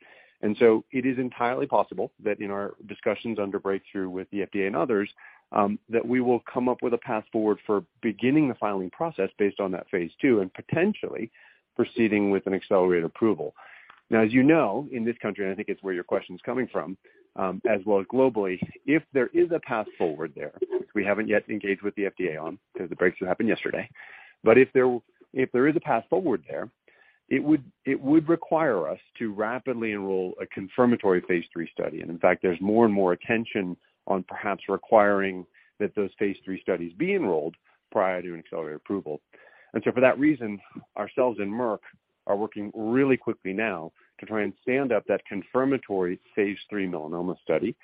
Speaker 4: It is entirely possible that in our discussions under Breakthrough with the FDA and others, that we will come up with a path forward for beginning the filing process based on that phase II, and potentially proceeding with an accelerated approval. As you know, in this country, and I think it's where your question's coming from, as well as globally, if there is a path forward there, which we haven't yet engaged with the FDA on, because the Breakthrough happened yesterday. If there is a path forward there, it would require us to rapidly enroll a confirmatory phase III study. In fact, there's more and more attention on perhaps requiring that those phase III studies be enrolled prior to an accelerated approval. For that reason, ourselves and Merck are working really quickly now to try and stand up that confirmatory phase III melanoma study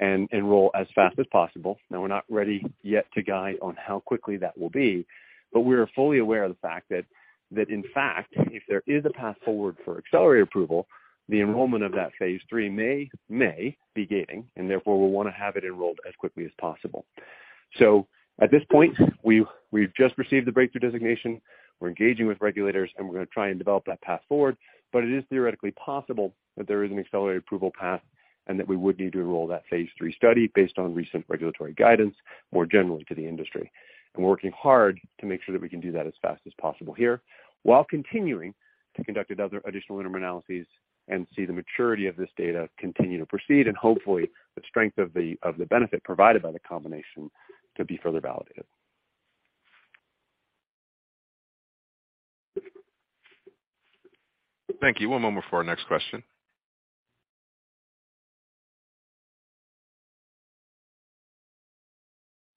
Speaker 4: and enroll as fast as possible. We're not ready yet to guide on how quickly that will be, but we're fully aware of the fact that in fact, if there is a path forward for accelerated approval, the enrollment of that phase III may be gating. Therefore, we'll wanna have it enrolled as quickly as possible. At this point, we've just received the Breakthrough designation. We're engaging with regulators. We're gonna try and develop that path forward. It is theoretically possible that there is an accelerated approval path and that we would need to enroll that phase III study based on recent regulatory guidance, more generally to the industry. We're working hard to make sure that we can do that as fast as possible here while continuing to conduct other additional interim analyses and see the maturity of this data continue to proceed, and hopefully the strength of the, of the benefit provided by the combination to be further validated.
Speaker 1: Thank you. One moment for our next question.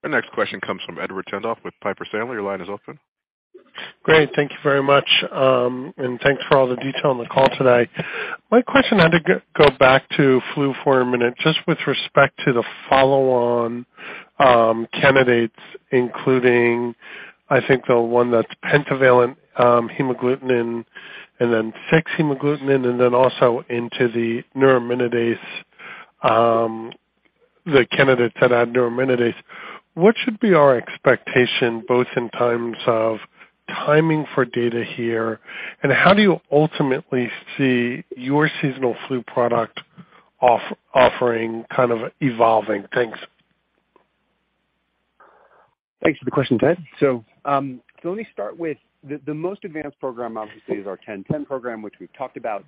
Speaker 1: Our next question comes from Edward Tenthoff with Piper Sandler. Your line is open.
Speaker 10: Great. Thank you very much. Thanks for all the detail on the call today. My question had to go back to flu for a minute, just with respect to the follow on candidates, including, I think the one that's pentavalent, hemagglutinin and then fix hemagglutinin and then also into the neuraminidase, the candidates that had neuraminidase. What should be our expectation, both in terms of timing for data here and how do you ultimately see your seasonal flu product offering kind of evolving? Thanks.
Speaker 4: Thanks for the question, Ted. Let me start with the most advanced program obviously is our 1010 program, which we've talked about.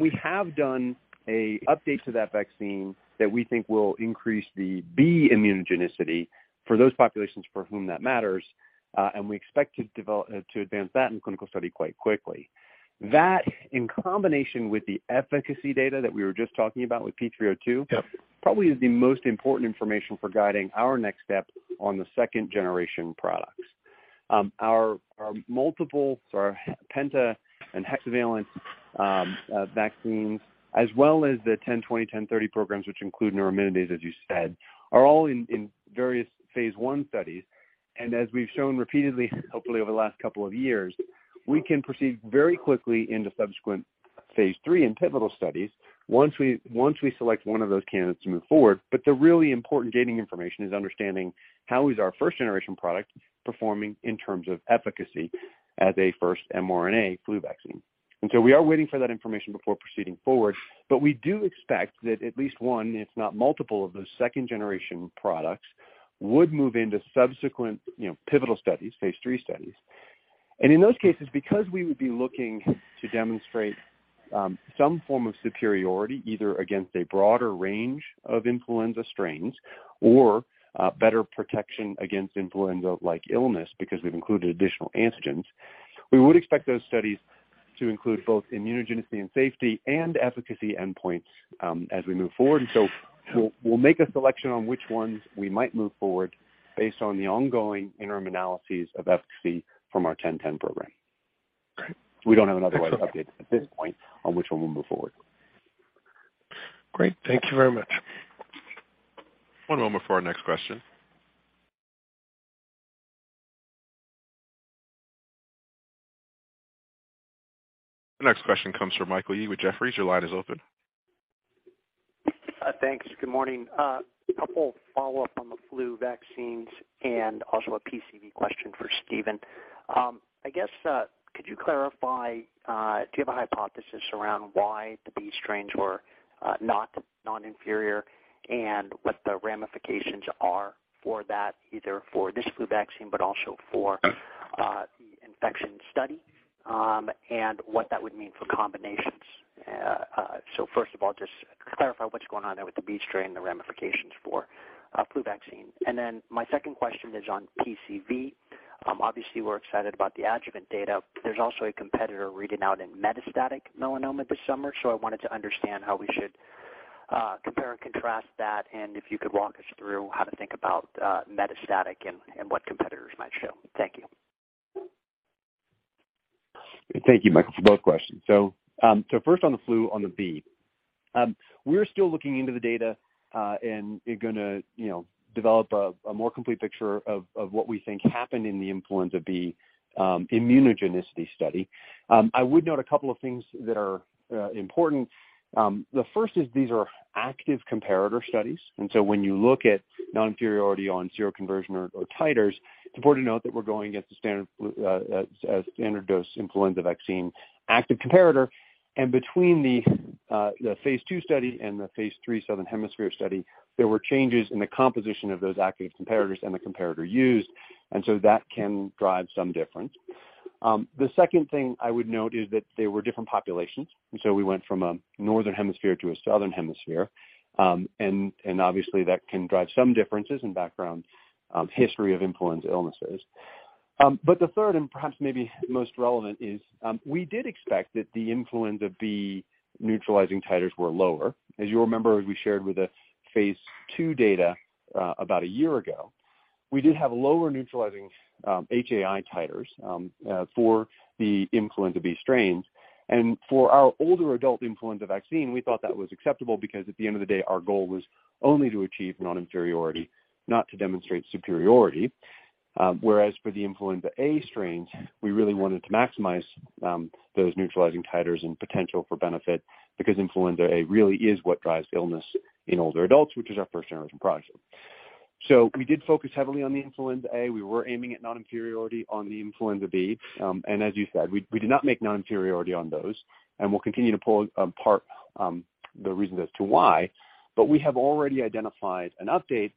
Speaker 4: We have done a update to that vaccine that we think will increase the B immunogenicity for those populations for whom that matters. We expect to advance that in clinical study quite quickly. That in combination with the efficacy data that we were just talking about with P302-
Speaker 10: Yep
Speaker 4: -probably is the most important information for guiding our next step on the second generation products. Our multiple or our penta and hexavalent vaccines as well as the mRNA-1020, mRNA-1030 programs which include neuraminidase, as you said, are all in various phase I studies. As we've shown repeatedly, hopefully over the last couple of years, we can proceed very quickly into subsequent phase III and pivotal studies once we select one of those candidates to move forward. The really important gating information is understanding how is our first generation product performing in terms of efficacy as a first mRNA flu vaccine. We are waiting for that information before proceeding forward. We do expect that at least one, if not multiple of those second generation products would move into subsequent pivotal studies, phase III studies. In those cases because we would be looking to demonstrate some form of superiority either against a broader range of influenza strains or better protection against influenza-like illness because we've included additional antigens, we would expect those studies to include both immunogenicity and safety and efficacy endpoints as we move forward. We'll make a selection on which ones we might move forward based on the ongoing interim analyses of efficacy from our 1010 program.
Speaker 10: Great.
Speaker 4: We don't have an update at this point on which one we'll move forward.
Speaker 10: Great. Thank you very much.
Speaker 1: One moment for our next question. The next question comes from Michael Yee with Jefferies. Your line is open.
Speaker 11: Thanks. Good morning. A couple follow up on the flu vaccines and also a PCV question for Stephen. I guess, could you clarify, do you have a hypothesis around why the B strains were not non-inferior and what the ramifications are for that, either for this flu vaccine but also for the infection study, and what that would mean for combinations? First of all just clarify what's going on there with the B strain, the ramifications for a flu vaccine. My second question is on PCV. Obviously we're excited about the adjuvant data. There's also a competitor reading out in metastatic melanoma this summer. I wanted to understand how we should compare and contrast that and if you could walk us through how to think about metastatic and what competitors might show. Thank you.
Speaker 4: Thank you Michael for both questions. First on the flu, on the B. We're still looking into the data, you know, develop a more complete picture of what we think happened in the Influenza B immunogenicity study. I would note a couple of things that are important. The first is these are active comparator studies when you look at non-inferiority on seroconversion or titers, it's important to note that we're going against the standard flu, standard dose influenza vaccine active comparator. Between the phase II study and the phase III southern hemisphere study, there were changes in the composition of those active comparators and the comparator used. That can drive some difference. The second thing I would note is that they were different populations. We went from a northern hemisphere to a southern hemisphere. Obviously that can drive some differences in background, history of influenza illnesses. The third and perhaps maybe most relevant is, we did expect that the influenza B neutralizing titers were lower. As you'll remember, as we shared with the phase II data, about a year ago, we did have lower neutralizing HAI titers for the influenza B strains. For our older adult influenza vaccine, we thought that was acceptable because at the end of the day our goal was only to achieve non-inferiority, not to demonstrate superiority. For the influenza A strains we really wanted to maximize those neutralizing titers and potential for benefit because influenza A really is what drives illness in older adults, which is our first generation product. We did focus heavily on the influenza A. We were aiming at non-inferiority on the influenza B. As you said, we did not make non-inferiority on those and we'll continue to pull apart the reasons as to why. We have already identified an update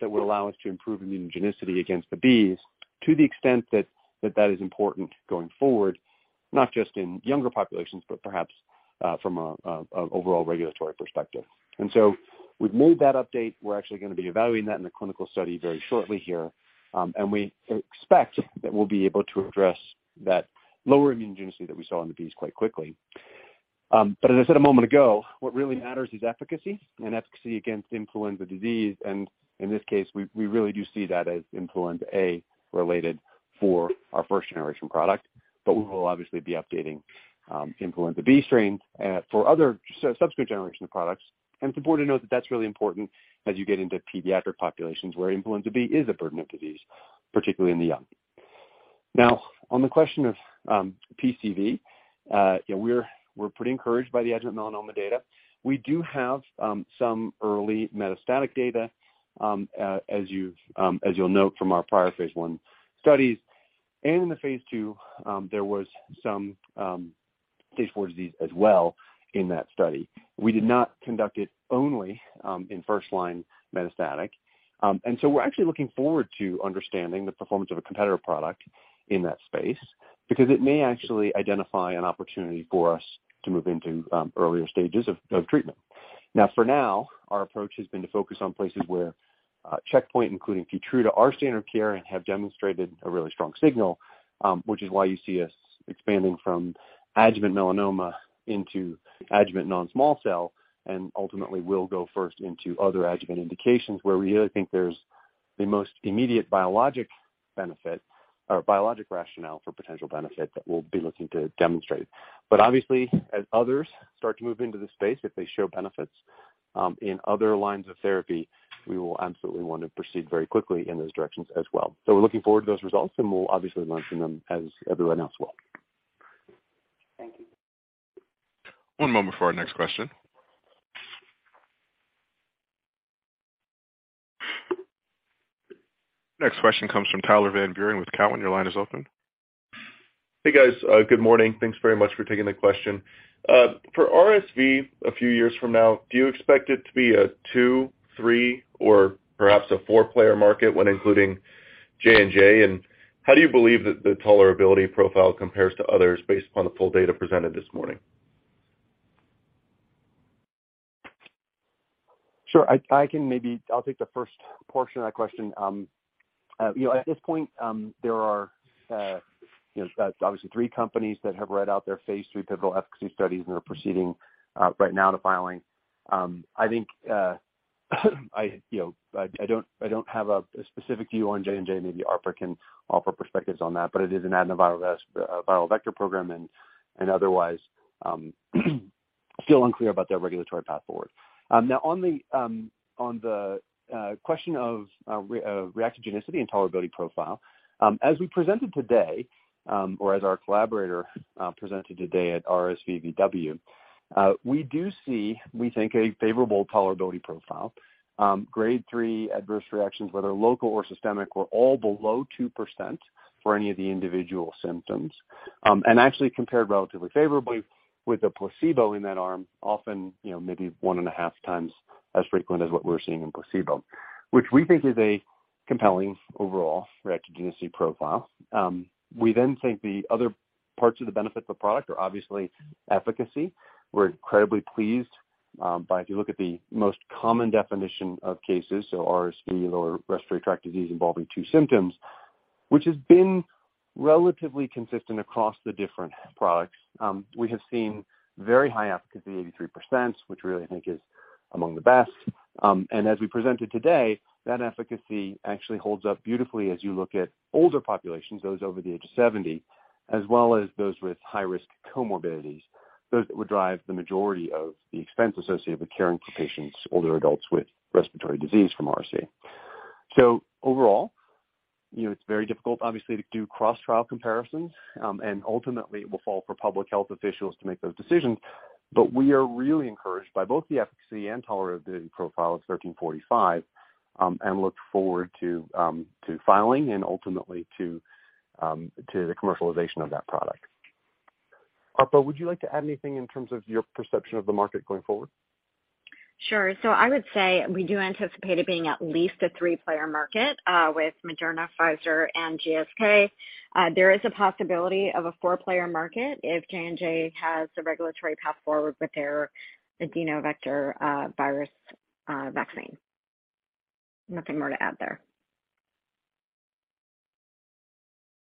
Speaker 4: that will allow us to improve immunogenicity against the Bs to the extent that that is important going forward, not just in younger populations but perhaps from a overall regulatory perspective. We've made that update. We're actually going to be evaluating that in a clinical study very shortly here. We expect that we'll be able to address that lower immunogenicity that we saw in the Bs quite quickly. As I said a moment ago, what really matters is efficacy and efficacy against influenza disease. In this case, we really do see that as Influenza A related for our first generation product. We will obviously be updating Influenza B strains for other subsequent generation products. It's important to note that that's really important as you get into pediatric populations where Influenza B is a burden of disease, particularly in the young. On the question of PCV, yeah, we're pretty encouraged by the adjuvant melanoma data. We do have some early metastatic data as you've as you'll note from our prior phase I studies and in the phase II, there was some stage 4 disease as well in that study. We did not conduct it only in first-line metastatic. We're actually looking forward to understanding the performance of a competitor product in that space because it may actually identify an opportunity for us to move into earlier stages of treatment. For now, our approach has been to focus on places where checkpoint, including Keytruda, are standard of care and have demonstrated a really strong signal, which is why you see us expanding from adjuvant melanoma into adjuvant non-small cell and ultimately will go first into other adjuvant indications where we really think there's the most immediate biologic benefit or biologic rationale for potential benefit that we'll be looking to demonstrate. Obviously as others start to move into the space, if they show benefits in other lines of therapy, we will absolutely want to proceed very quickly in those directions as well. We're looking forward to those results and we'll obviously mention them as everyone else will.
Speaker 1: Thank you. One moment for our next question. Next question comes from Tyler Van Buren with Cowen. Your line is open.
Speaker 12: Hey guys. Good morning. Thanks very much for taking the question. For RSV a few years from now, do you expect it to be a two, three, or perhaps a four-player market when including J&J? How do you believe that the tolerability profile compares to others based upon the full data presented this morning?
Speaker 4: Sure. I can maybe I'll take the first portion of that question. You know, at this point, you know, obviously three companies that have read out their phase III pivotal efficacy studies and are proceeding right now to filing. I think I, you know, I don't have a specific view on J&J. Maybe Arpa can offer perspectives on that, but it is an adenoviral viral vector program and otherwise, still unclear about their regulatory path forward. Now on the question of reactogenicity and tolerability profile, as we presented today, or as our collaborator presented today at RSVVW, we do see, we think a favorable tolerability profile. Grade three adverse reactions, whether local or systemic, were all below 2% for any of the individual symptoms. Actually compared relatively favorably with the placebo in that arm often, you know, maybe one and a half times as frequent as what we're seeing in placebo, which we think is a compelling overall reactogenicity profile. We think the other parts of the benefit of the product are obviously efficacy. We're incredibly pleased by if you look at the most common definition of cases, so RSV or respiratory tract disease involving two symptoms, which has been relatively consistent across the different products, we have seen very high efficacy, 83%, which really I think is among the best. As we presented today, that efficacy actually holds up beautifully as you look at older populations, those over the age of 70, as well as those with high risk comorbidities, those that would drive the majority of the expense associated with caring for patients, older adults with respiratory disease from RSV. Overall, you know, it's very difficult obviously to do cross trial comparisons, and ultimately it will fall for public health officials to make those decisions. We are really encouraged by both the efficacy and tolerability profile of 1345, and look forward to filing and ultimately to the commercialization of that product. Arpa, would you like to add anything in terms of your perception of the market going forward?
Speaker 5: Sure. I would say we do anticipate it being at least a three-player market, with Moderna, Pfizer and GSK. There is a possibility of a four-player market if J&J has the regulatory path forward with their adenovector virus vaccine. Nothing more to add there.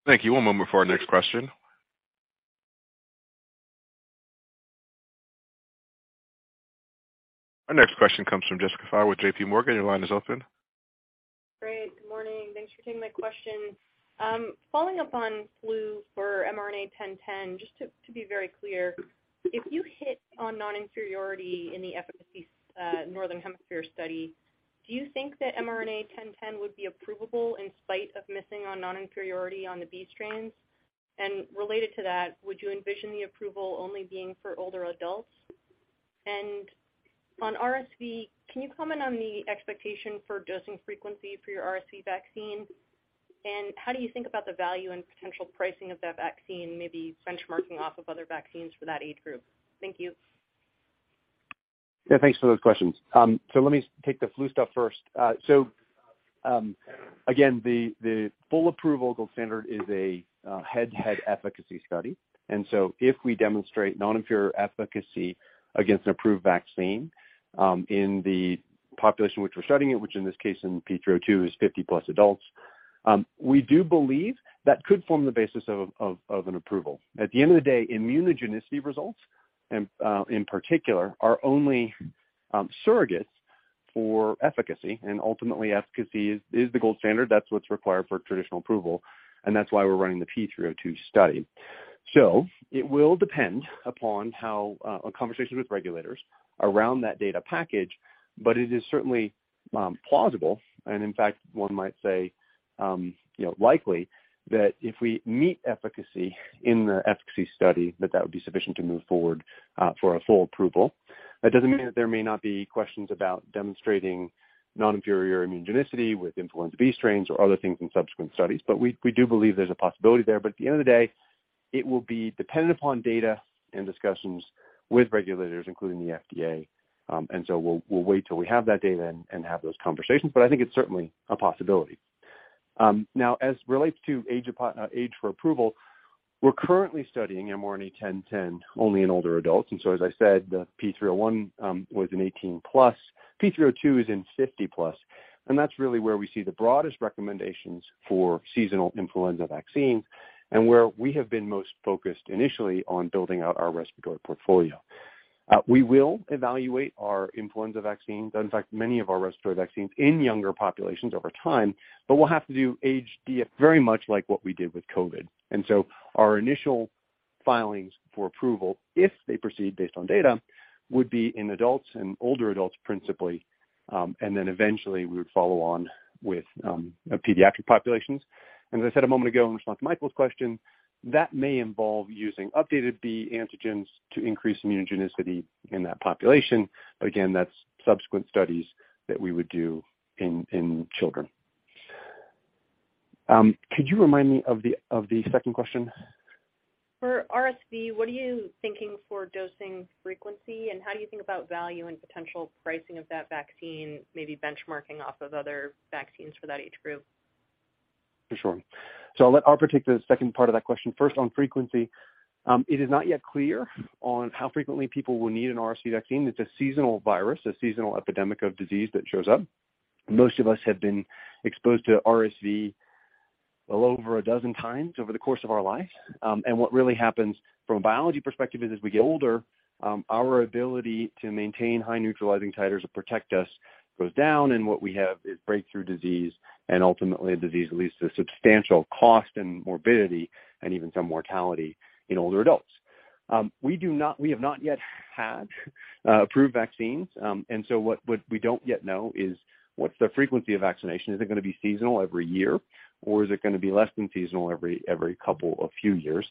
Speaker 1: Thank you. One moment for our next question. Our next question comes from Jessica Fye with JPMorgan. Your line is open.
Speaker 13: Great, good morning. Thanks for taking my question. Following up on flu for mRNA-1010, just to be very clear, if you hit on non-inferiority in the efficacy, Northern Hemisphere study, do you think that mRNA-1010 would be approvable in spite of missing on non-inferiority on the B strains? Related to that, would you envision the approval only being for older adults? On RSV, can you comment on the expectation for dosing frequency for your RSV vaccine? How do you think about the value and potential pricing of that vaccine, maybe benchmarking off of other vaccines for that age group? Thank you.
Speaker 4: Yeah, thanks for those questions. Let me take the flu stuff first. Again, the full approval gold standard is a head efficacy study. If we demonstrate non-inferior efficacy against an approved vaccine, in the population which we're studying it, which in this case in P302 is 50-plus adults, we do believe that could form the basis of an approval. At the end of the day, immunogenicity results and in particular are only surrogates for efficacy and ultimately efficacy is the gold standard. That's what's required for traditional approval, and that's why we're running the P302 study. It will depend upon how on conversations with regulators around that data package, but it is certainly plausible and in fact one might say, you know, likely that if we meet efficacy in the efficacy study that that would be sufficient to move forward for a full approval. That doesn't mean that there may not be questions about demonstrating non-inferior immunogenicity with influenza B strains or other things in subsequent studies, but we do believe there's a possibility there. At the end of the day, it will be dependent upon data and discussions with regulators, including the FDA. We'll wait till we have that data and have those conversations. I think it's certainly a possibility. Now as relates to age for approval, we're currently studying mRNA-1010 only in older adults. As I said, the P301 was in 18 plus, P302 is in 50 plus. That's really where we see the broadest recommendations for seasonal influenza vaccines and where we have been most focused initially on building out our respiratory portfolio. We will evaluate our influenza vaccine, in fact, many of our respiratory vaccines in younger populations over time, but we'll have to do age via very much like what we did with COVID. Our initial filings for approval, if they proceed based on data, would be in adults and older adults principally. Eventually we would follow on with pediatric populations. As I said a moment ago in response to Michael's question, that may involve using updated B antigens to increase immunogenicity in that population. Again, that's subsequent studies that we would do in children. Could you remind me of the second question?
Speaker 13: For RSV, what are you thinking for dosing frequency, and how do you think about value and potential pricing of that vaccine, maybe benchmarking off of other vaccines for that age group?
Speaker 4: For sure. I'll let Arpa take the second part of that question. First on frequency, it is not yet clear on how frequently people will need an RSV vaccine. It's a seasonal virus, a seasonal epidemic of disease that shows up. Most of us have been exposed to RSV well over 12 times over the course of our lives. What really happens from a biology perspective is as we get older, our ability to maintain high neutralizing titers that protect us goes down, and what we have is breakthrough disease and ultimately a disease that leads to substantial cost and morbidity and even some mortality in older adults. We have not yet had approved vaccines. What, what we don't yet know is what's the frequency of vaccination. Is it gonna be seasonal every year, or is it gonna be less than seasonal every couple or few years?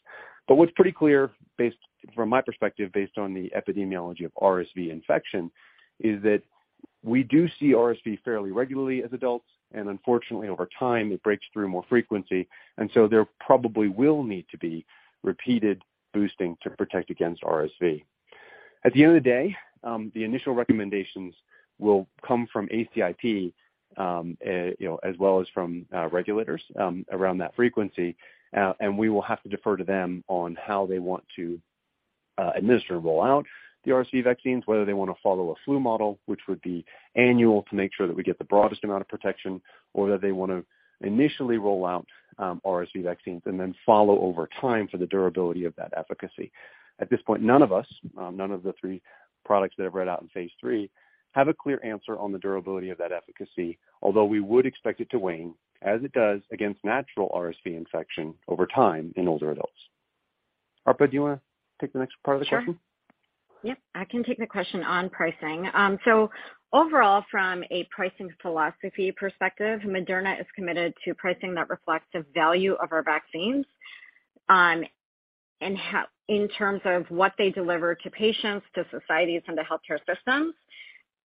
Speaker 4: What's pretty clear based, from my perspective, based on the epidemiology of RSV infection, is that we do see RSV fairly regularly as adults, and unfortunately over time it breaks through more frequency. There probably will need to be repeated boosting to protect against RSV. At the end of the day, the initial recommendations will come from ACIP, you know, as well as from regulators around that frequency. We will have to defer to them on how they want to administer and roll out the RSV vaccines, whether they wanna follow a flu model, which would be annual to make sure that we get the broadest amount of protection, or that they wanna initially roll out RSV vaccines and then follow over time for the durability of that efficacy. At this point, none of us, none of the three products that have read out in phase III have a clear answer on the durability of that efficacy, although we would expect it to wane as it does against natural RSV infection over time in older adults. Arpa, do you wanna take the next part of the question?
Speaker 5: Sure. Yep. I can take the question on pricing. Overall, from a pricing philosophy perspective, Moderna is committed to pricing that reflects the value of our vaccines, in terms of what they deliver to patients, to societies, and to healthcare systems,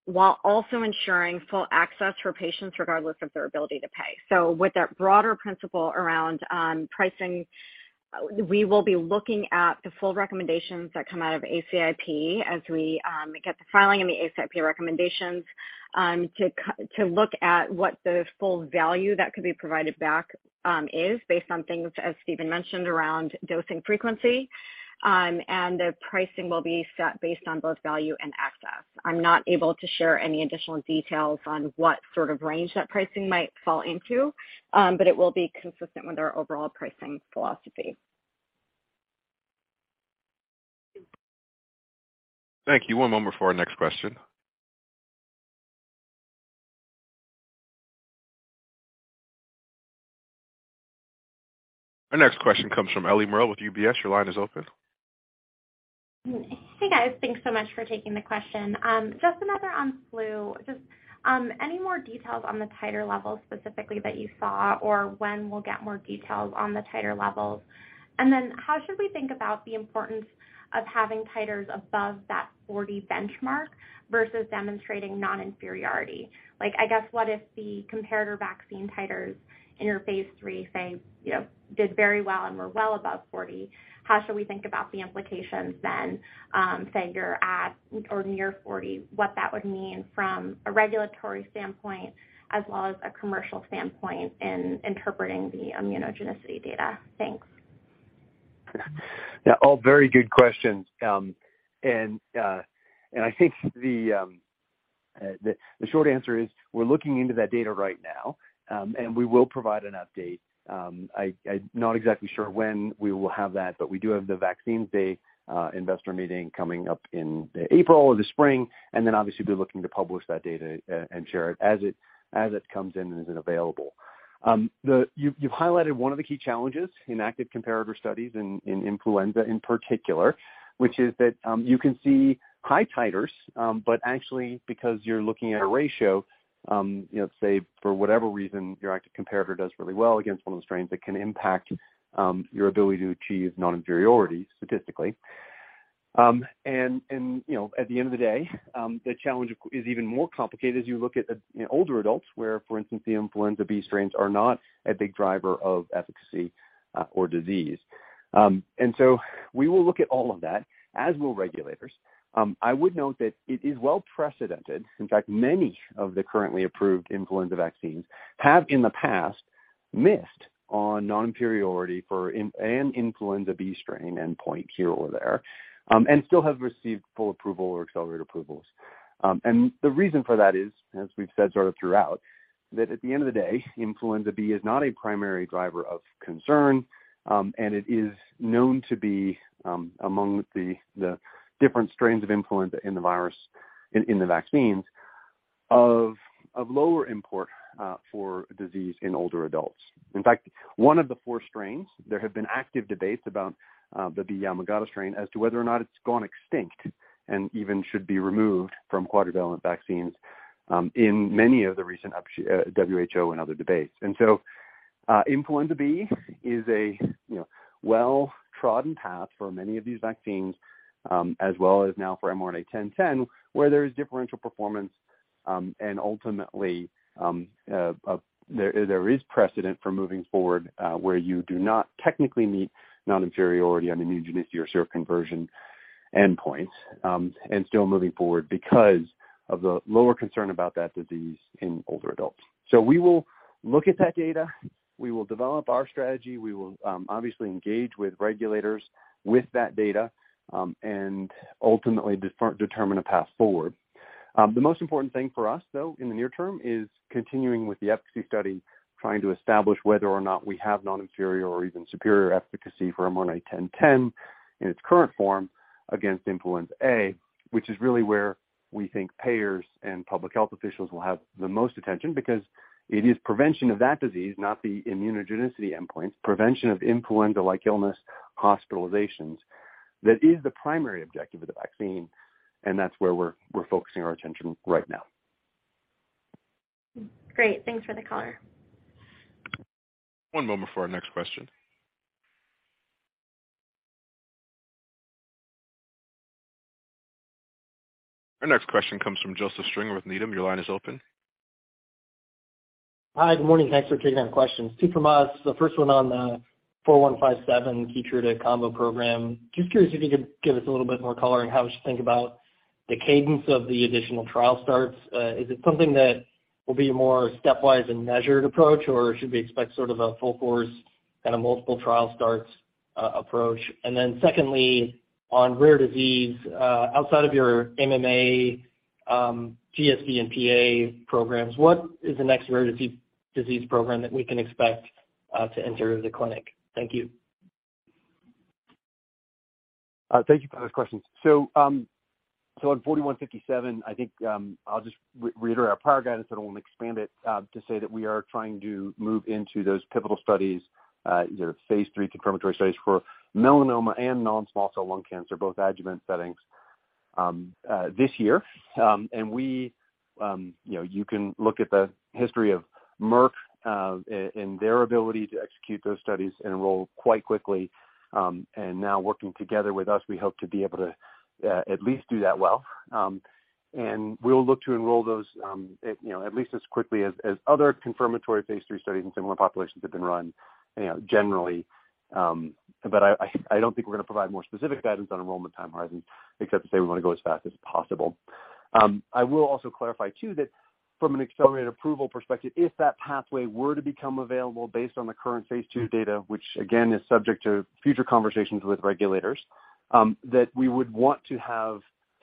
Speaker 5: while also ensuring full access for patients regardless of their ability to pay. With that broader principle around pricing, we will be looking at the full recommendations that come out of ACIP as we get the filing and the ACIP recommendations, to look at what the full value that could be provided back is based on things, as Stephen mentioned, around dosing frequency, and the pricing will be set based on both value and access. I'm not able to share any additional details on what sort of range that pricing might fall into, but it will be consistent with our overall pricing philosophy.
Speaker 1: Thank you. One moment for our next question. Our next question comes from Ellie Merle with UBS. Your line is open.
Speaker 14: Hey, guys. Thanks so much for taking the question. Just another on flu. Just any more details on the titer levels specifically that you saw or when we'll get more details on the titer levels? Then how should we think about the importance of having titers above that 40 benchmark versus demonstrating non-inferiority? Like, I guess what if the comparator vaccine titers in your phase III say, you know, did very well and were well above 40, how should we think about the implications then, say you're at or near 40, what that would mean from a regulatory standpoint as well as a commercial standpoint in interpreting the immunogenicity data? Thanks.
Speaker 4: Yeah, all very good questions. I think the short answer is we're looking into that data right now, and we will provide an update. I'm not exactly sure when we will have that, but we do have the Vaccines Day investor meeting coming up in either April or the spring. Then obviously be looking to publish that data and share it as it comes in and is available. You've highlighted one of the key challenges in active comparator studies in influenza in particular, which is that you can see high titers, but actually because you're looking at a ratio, you know, say for whatever reason your active comparator does really well against one of the strains that can impact your ability to achieve non-inferiority statistically. You know, at the end of the day, the challenge is even more complicated as you look at, you know, older adults where, for instance, the Influenza B strains are not a big driver of efficacy or disease. We will look at all of that, as will regulators. I would note that it is well precedented. In fact, many of the currently approved influenza vaccines have in the past missed on non-inferiority for an Influenza B strain endpoint here or there, and still have received full approval or accelerated approvals. The reason for that is, as we've said sort of throughout, that at the end of the day, influenza B is not a primary driver of concern, and it is known to be among the different strains of influenza in the virus in the vaccines of lower import for disease in older adults. In fact, one of the four strains, there have been active debates about the B/Yamagata strain as to whether or not it's gone extinct and even should be removed from quadrivalent vaccines in many of the recent WHO and other debates. Influenza B is a, you know, well-trodden path for many of these vaccines, as well as now for mRNA-1010, where there is differential performance. Ultimately, there is precedent for moving forward, where you do not technically meet non-inferiority on immunogenicity or seroconversion endpoints, and still moving forward because of the lower concern about that disease in older adults. We will look at that data. We will develop our strategy. We will, obviously engage with regulators with that data, and ultimately determine a path forward. The most important thing for us, though, in the near term, is continuing with the efficacy study, trying to establish whether or not we have non-inferior or even superior efficacy for mRNA-1010 in its current form against influenza A, which is really where we think payers and public health officials will have the most attention. It is prevention of that disease, not the immunogenicity endpoints, prevention of influenza-like illness hospitalizations, that is the primary objective of the vaccine, and that's where we're focusing our attention right now.
Speaker 14: Great. Thanks for the color.
Speaker 1: One moment for our next question. Our next question comes from Joseph Stringer with Needham. Your line is open.
Speaker 15: Hi. Good morning. Thanks for taking our questions. Two from us, the first one on mRNA-4157 Keytruda combo program. Just curious if you could give us a little bit more color on how we should think about the cadence of the additional trial starts. Is it something that will be more stepwise and measured approach, or should we expect sort of a full course kind of multiple trial starts approach? Secondly, on rare disease, outside of your MMA, GSD, and PA programs, what is the next rare disease program that we can expect to enter the clinic? Thank you.
Speaker 4: Thank you for those questions. On mRNA-4157, I think, I'll just reiterate our prior guidance, and I want to expand it to say that we are trying to move into those pivotal studies, either phase III confirmatory studies for melanoma and non-small cell lung cancer, both adjuvant settings, this year. We, you know, you can look at the history of Merck and their ability to execute those studies and enroll quite quickly. Now working together with us, we hope to be able to, at least do that well. We'll look to enroll those, at, you know, at least as quickly as other confirmatory phase III studies in similar populations have been run, you know, generally. I don't think we're gonna provide more specific guidance on enrollment time horizons except to say we want to go as fast as possible. I will also clarify too that from an accelerated approval perspective, if that pathway were to become available based on the current phase II data, which again is subject to future conversations with regulators, that we would want to have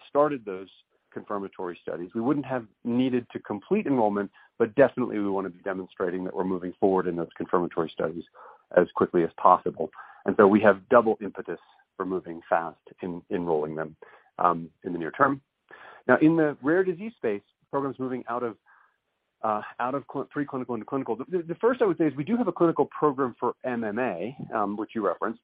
Speaker 4: started those confirmatory studies. We wouldn't have needed to complete enrollment, but definitely we wanna be demonstrating that we're moving forward in those confirmatory studies as quickly as possible. We have double impetus for moving fast in enrolling them in the near term. In the rare disease space, programs moving out of pre-clinical into clinical. The first I would say is we do have a clinical program for MMA, which you referenced.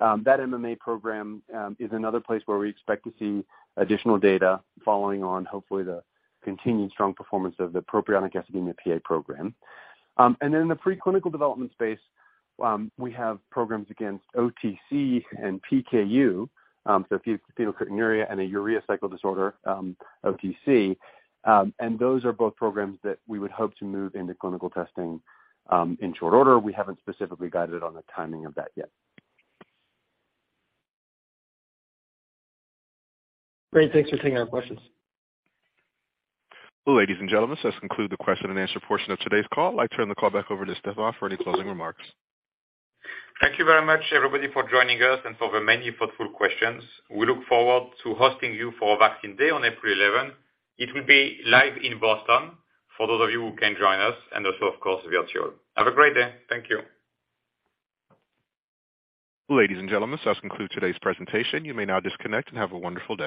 Speaker 4: That MMA program is another place where we expect to see additional data following on, hopefully the continued strong performance of the propionic acid in the PA program. In the pre-clinical development space, we have programs against OTC and PKU, so phenylketonuria and a urea cycle disorder, OTC. Those are both programs that we would hope to move into clinical testing in short order. We haven't specifically guided on the timing of that yet.
Speaker 15: Great. Thanks for taking our questions.
Speaker 1: Ladies and gentlemen, this concludes the question and answer portion of today's call. I turn the call back over to Stéphane for any closing remarks.
Speaker 3: Thank you very much, everybody, for joining us and for the many thoughtful questions. We look forward to hosting you for Vaccine Day on April 11. It will be live in Boston for those of you who can join us and also, of course, virtual. Have a great day. Thank you.
Speaker 1: Ladies and gentlemen, this concludes today's presentation. You may now disconnect and have a wonderful day.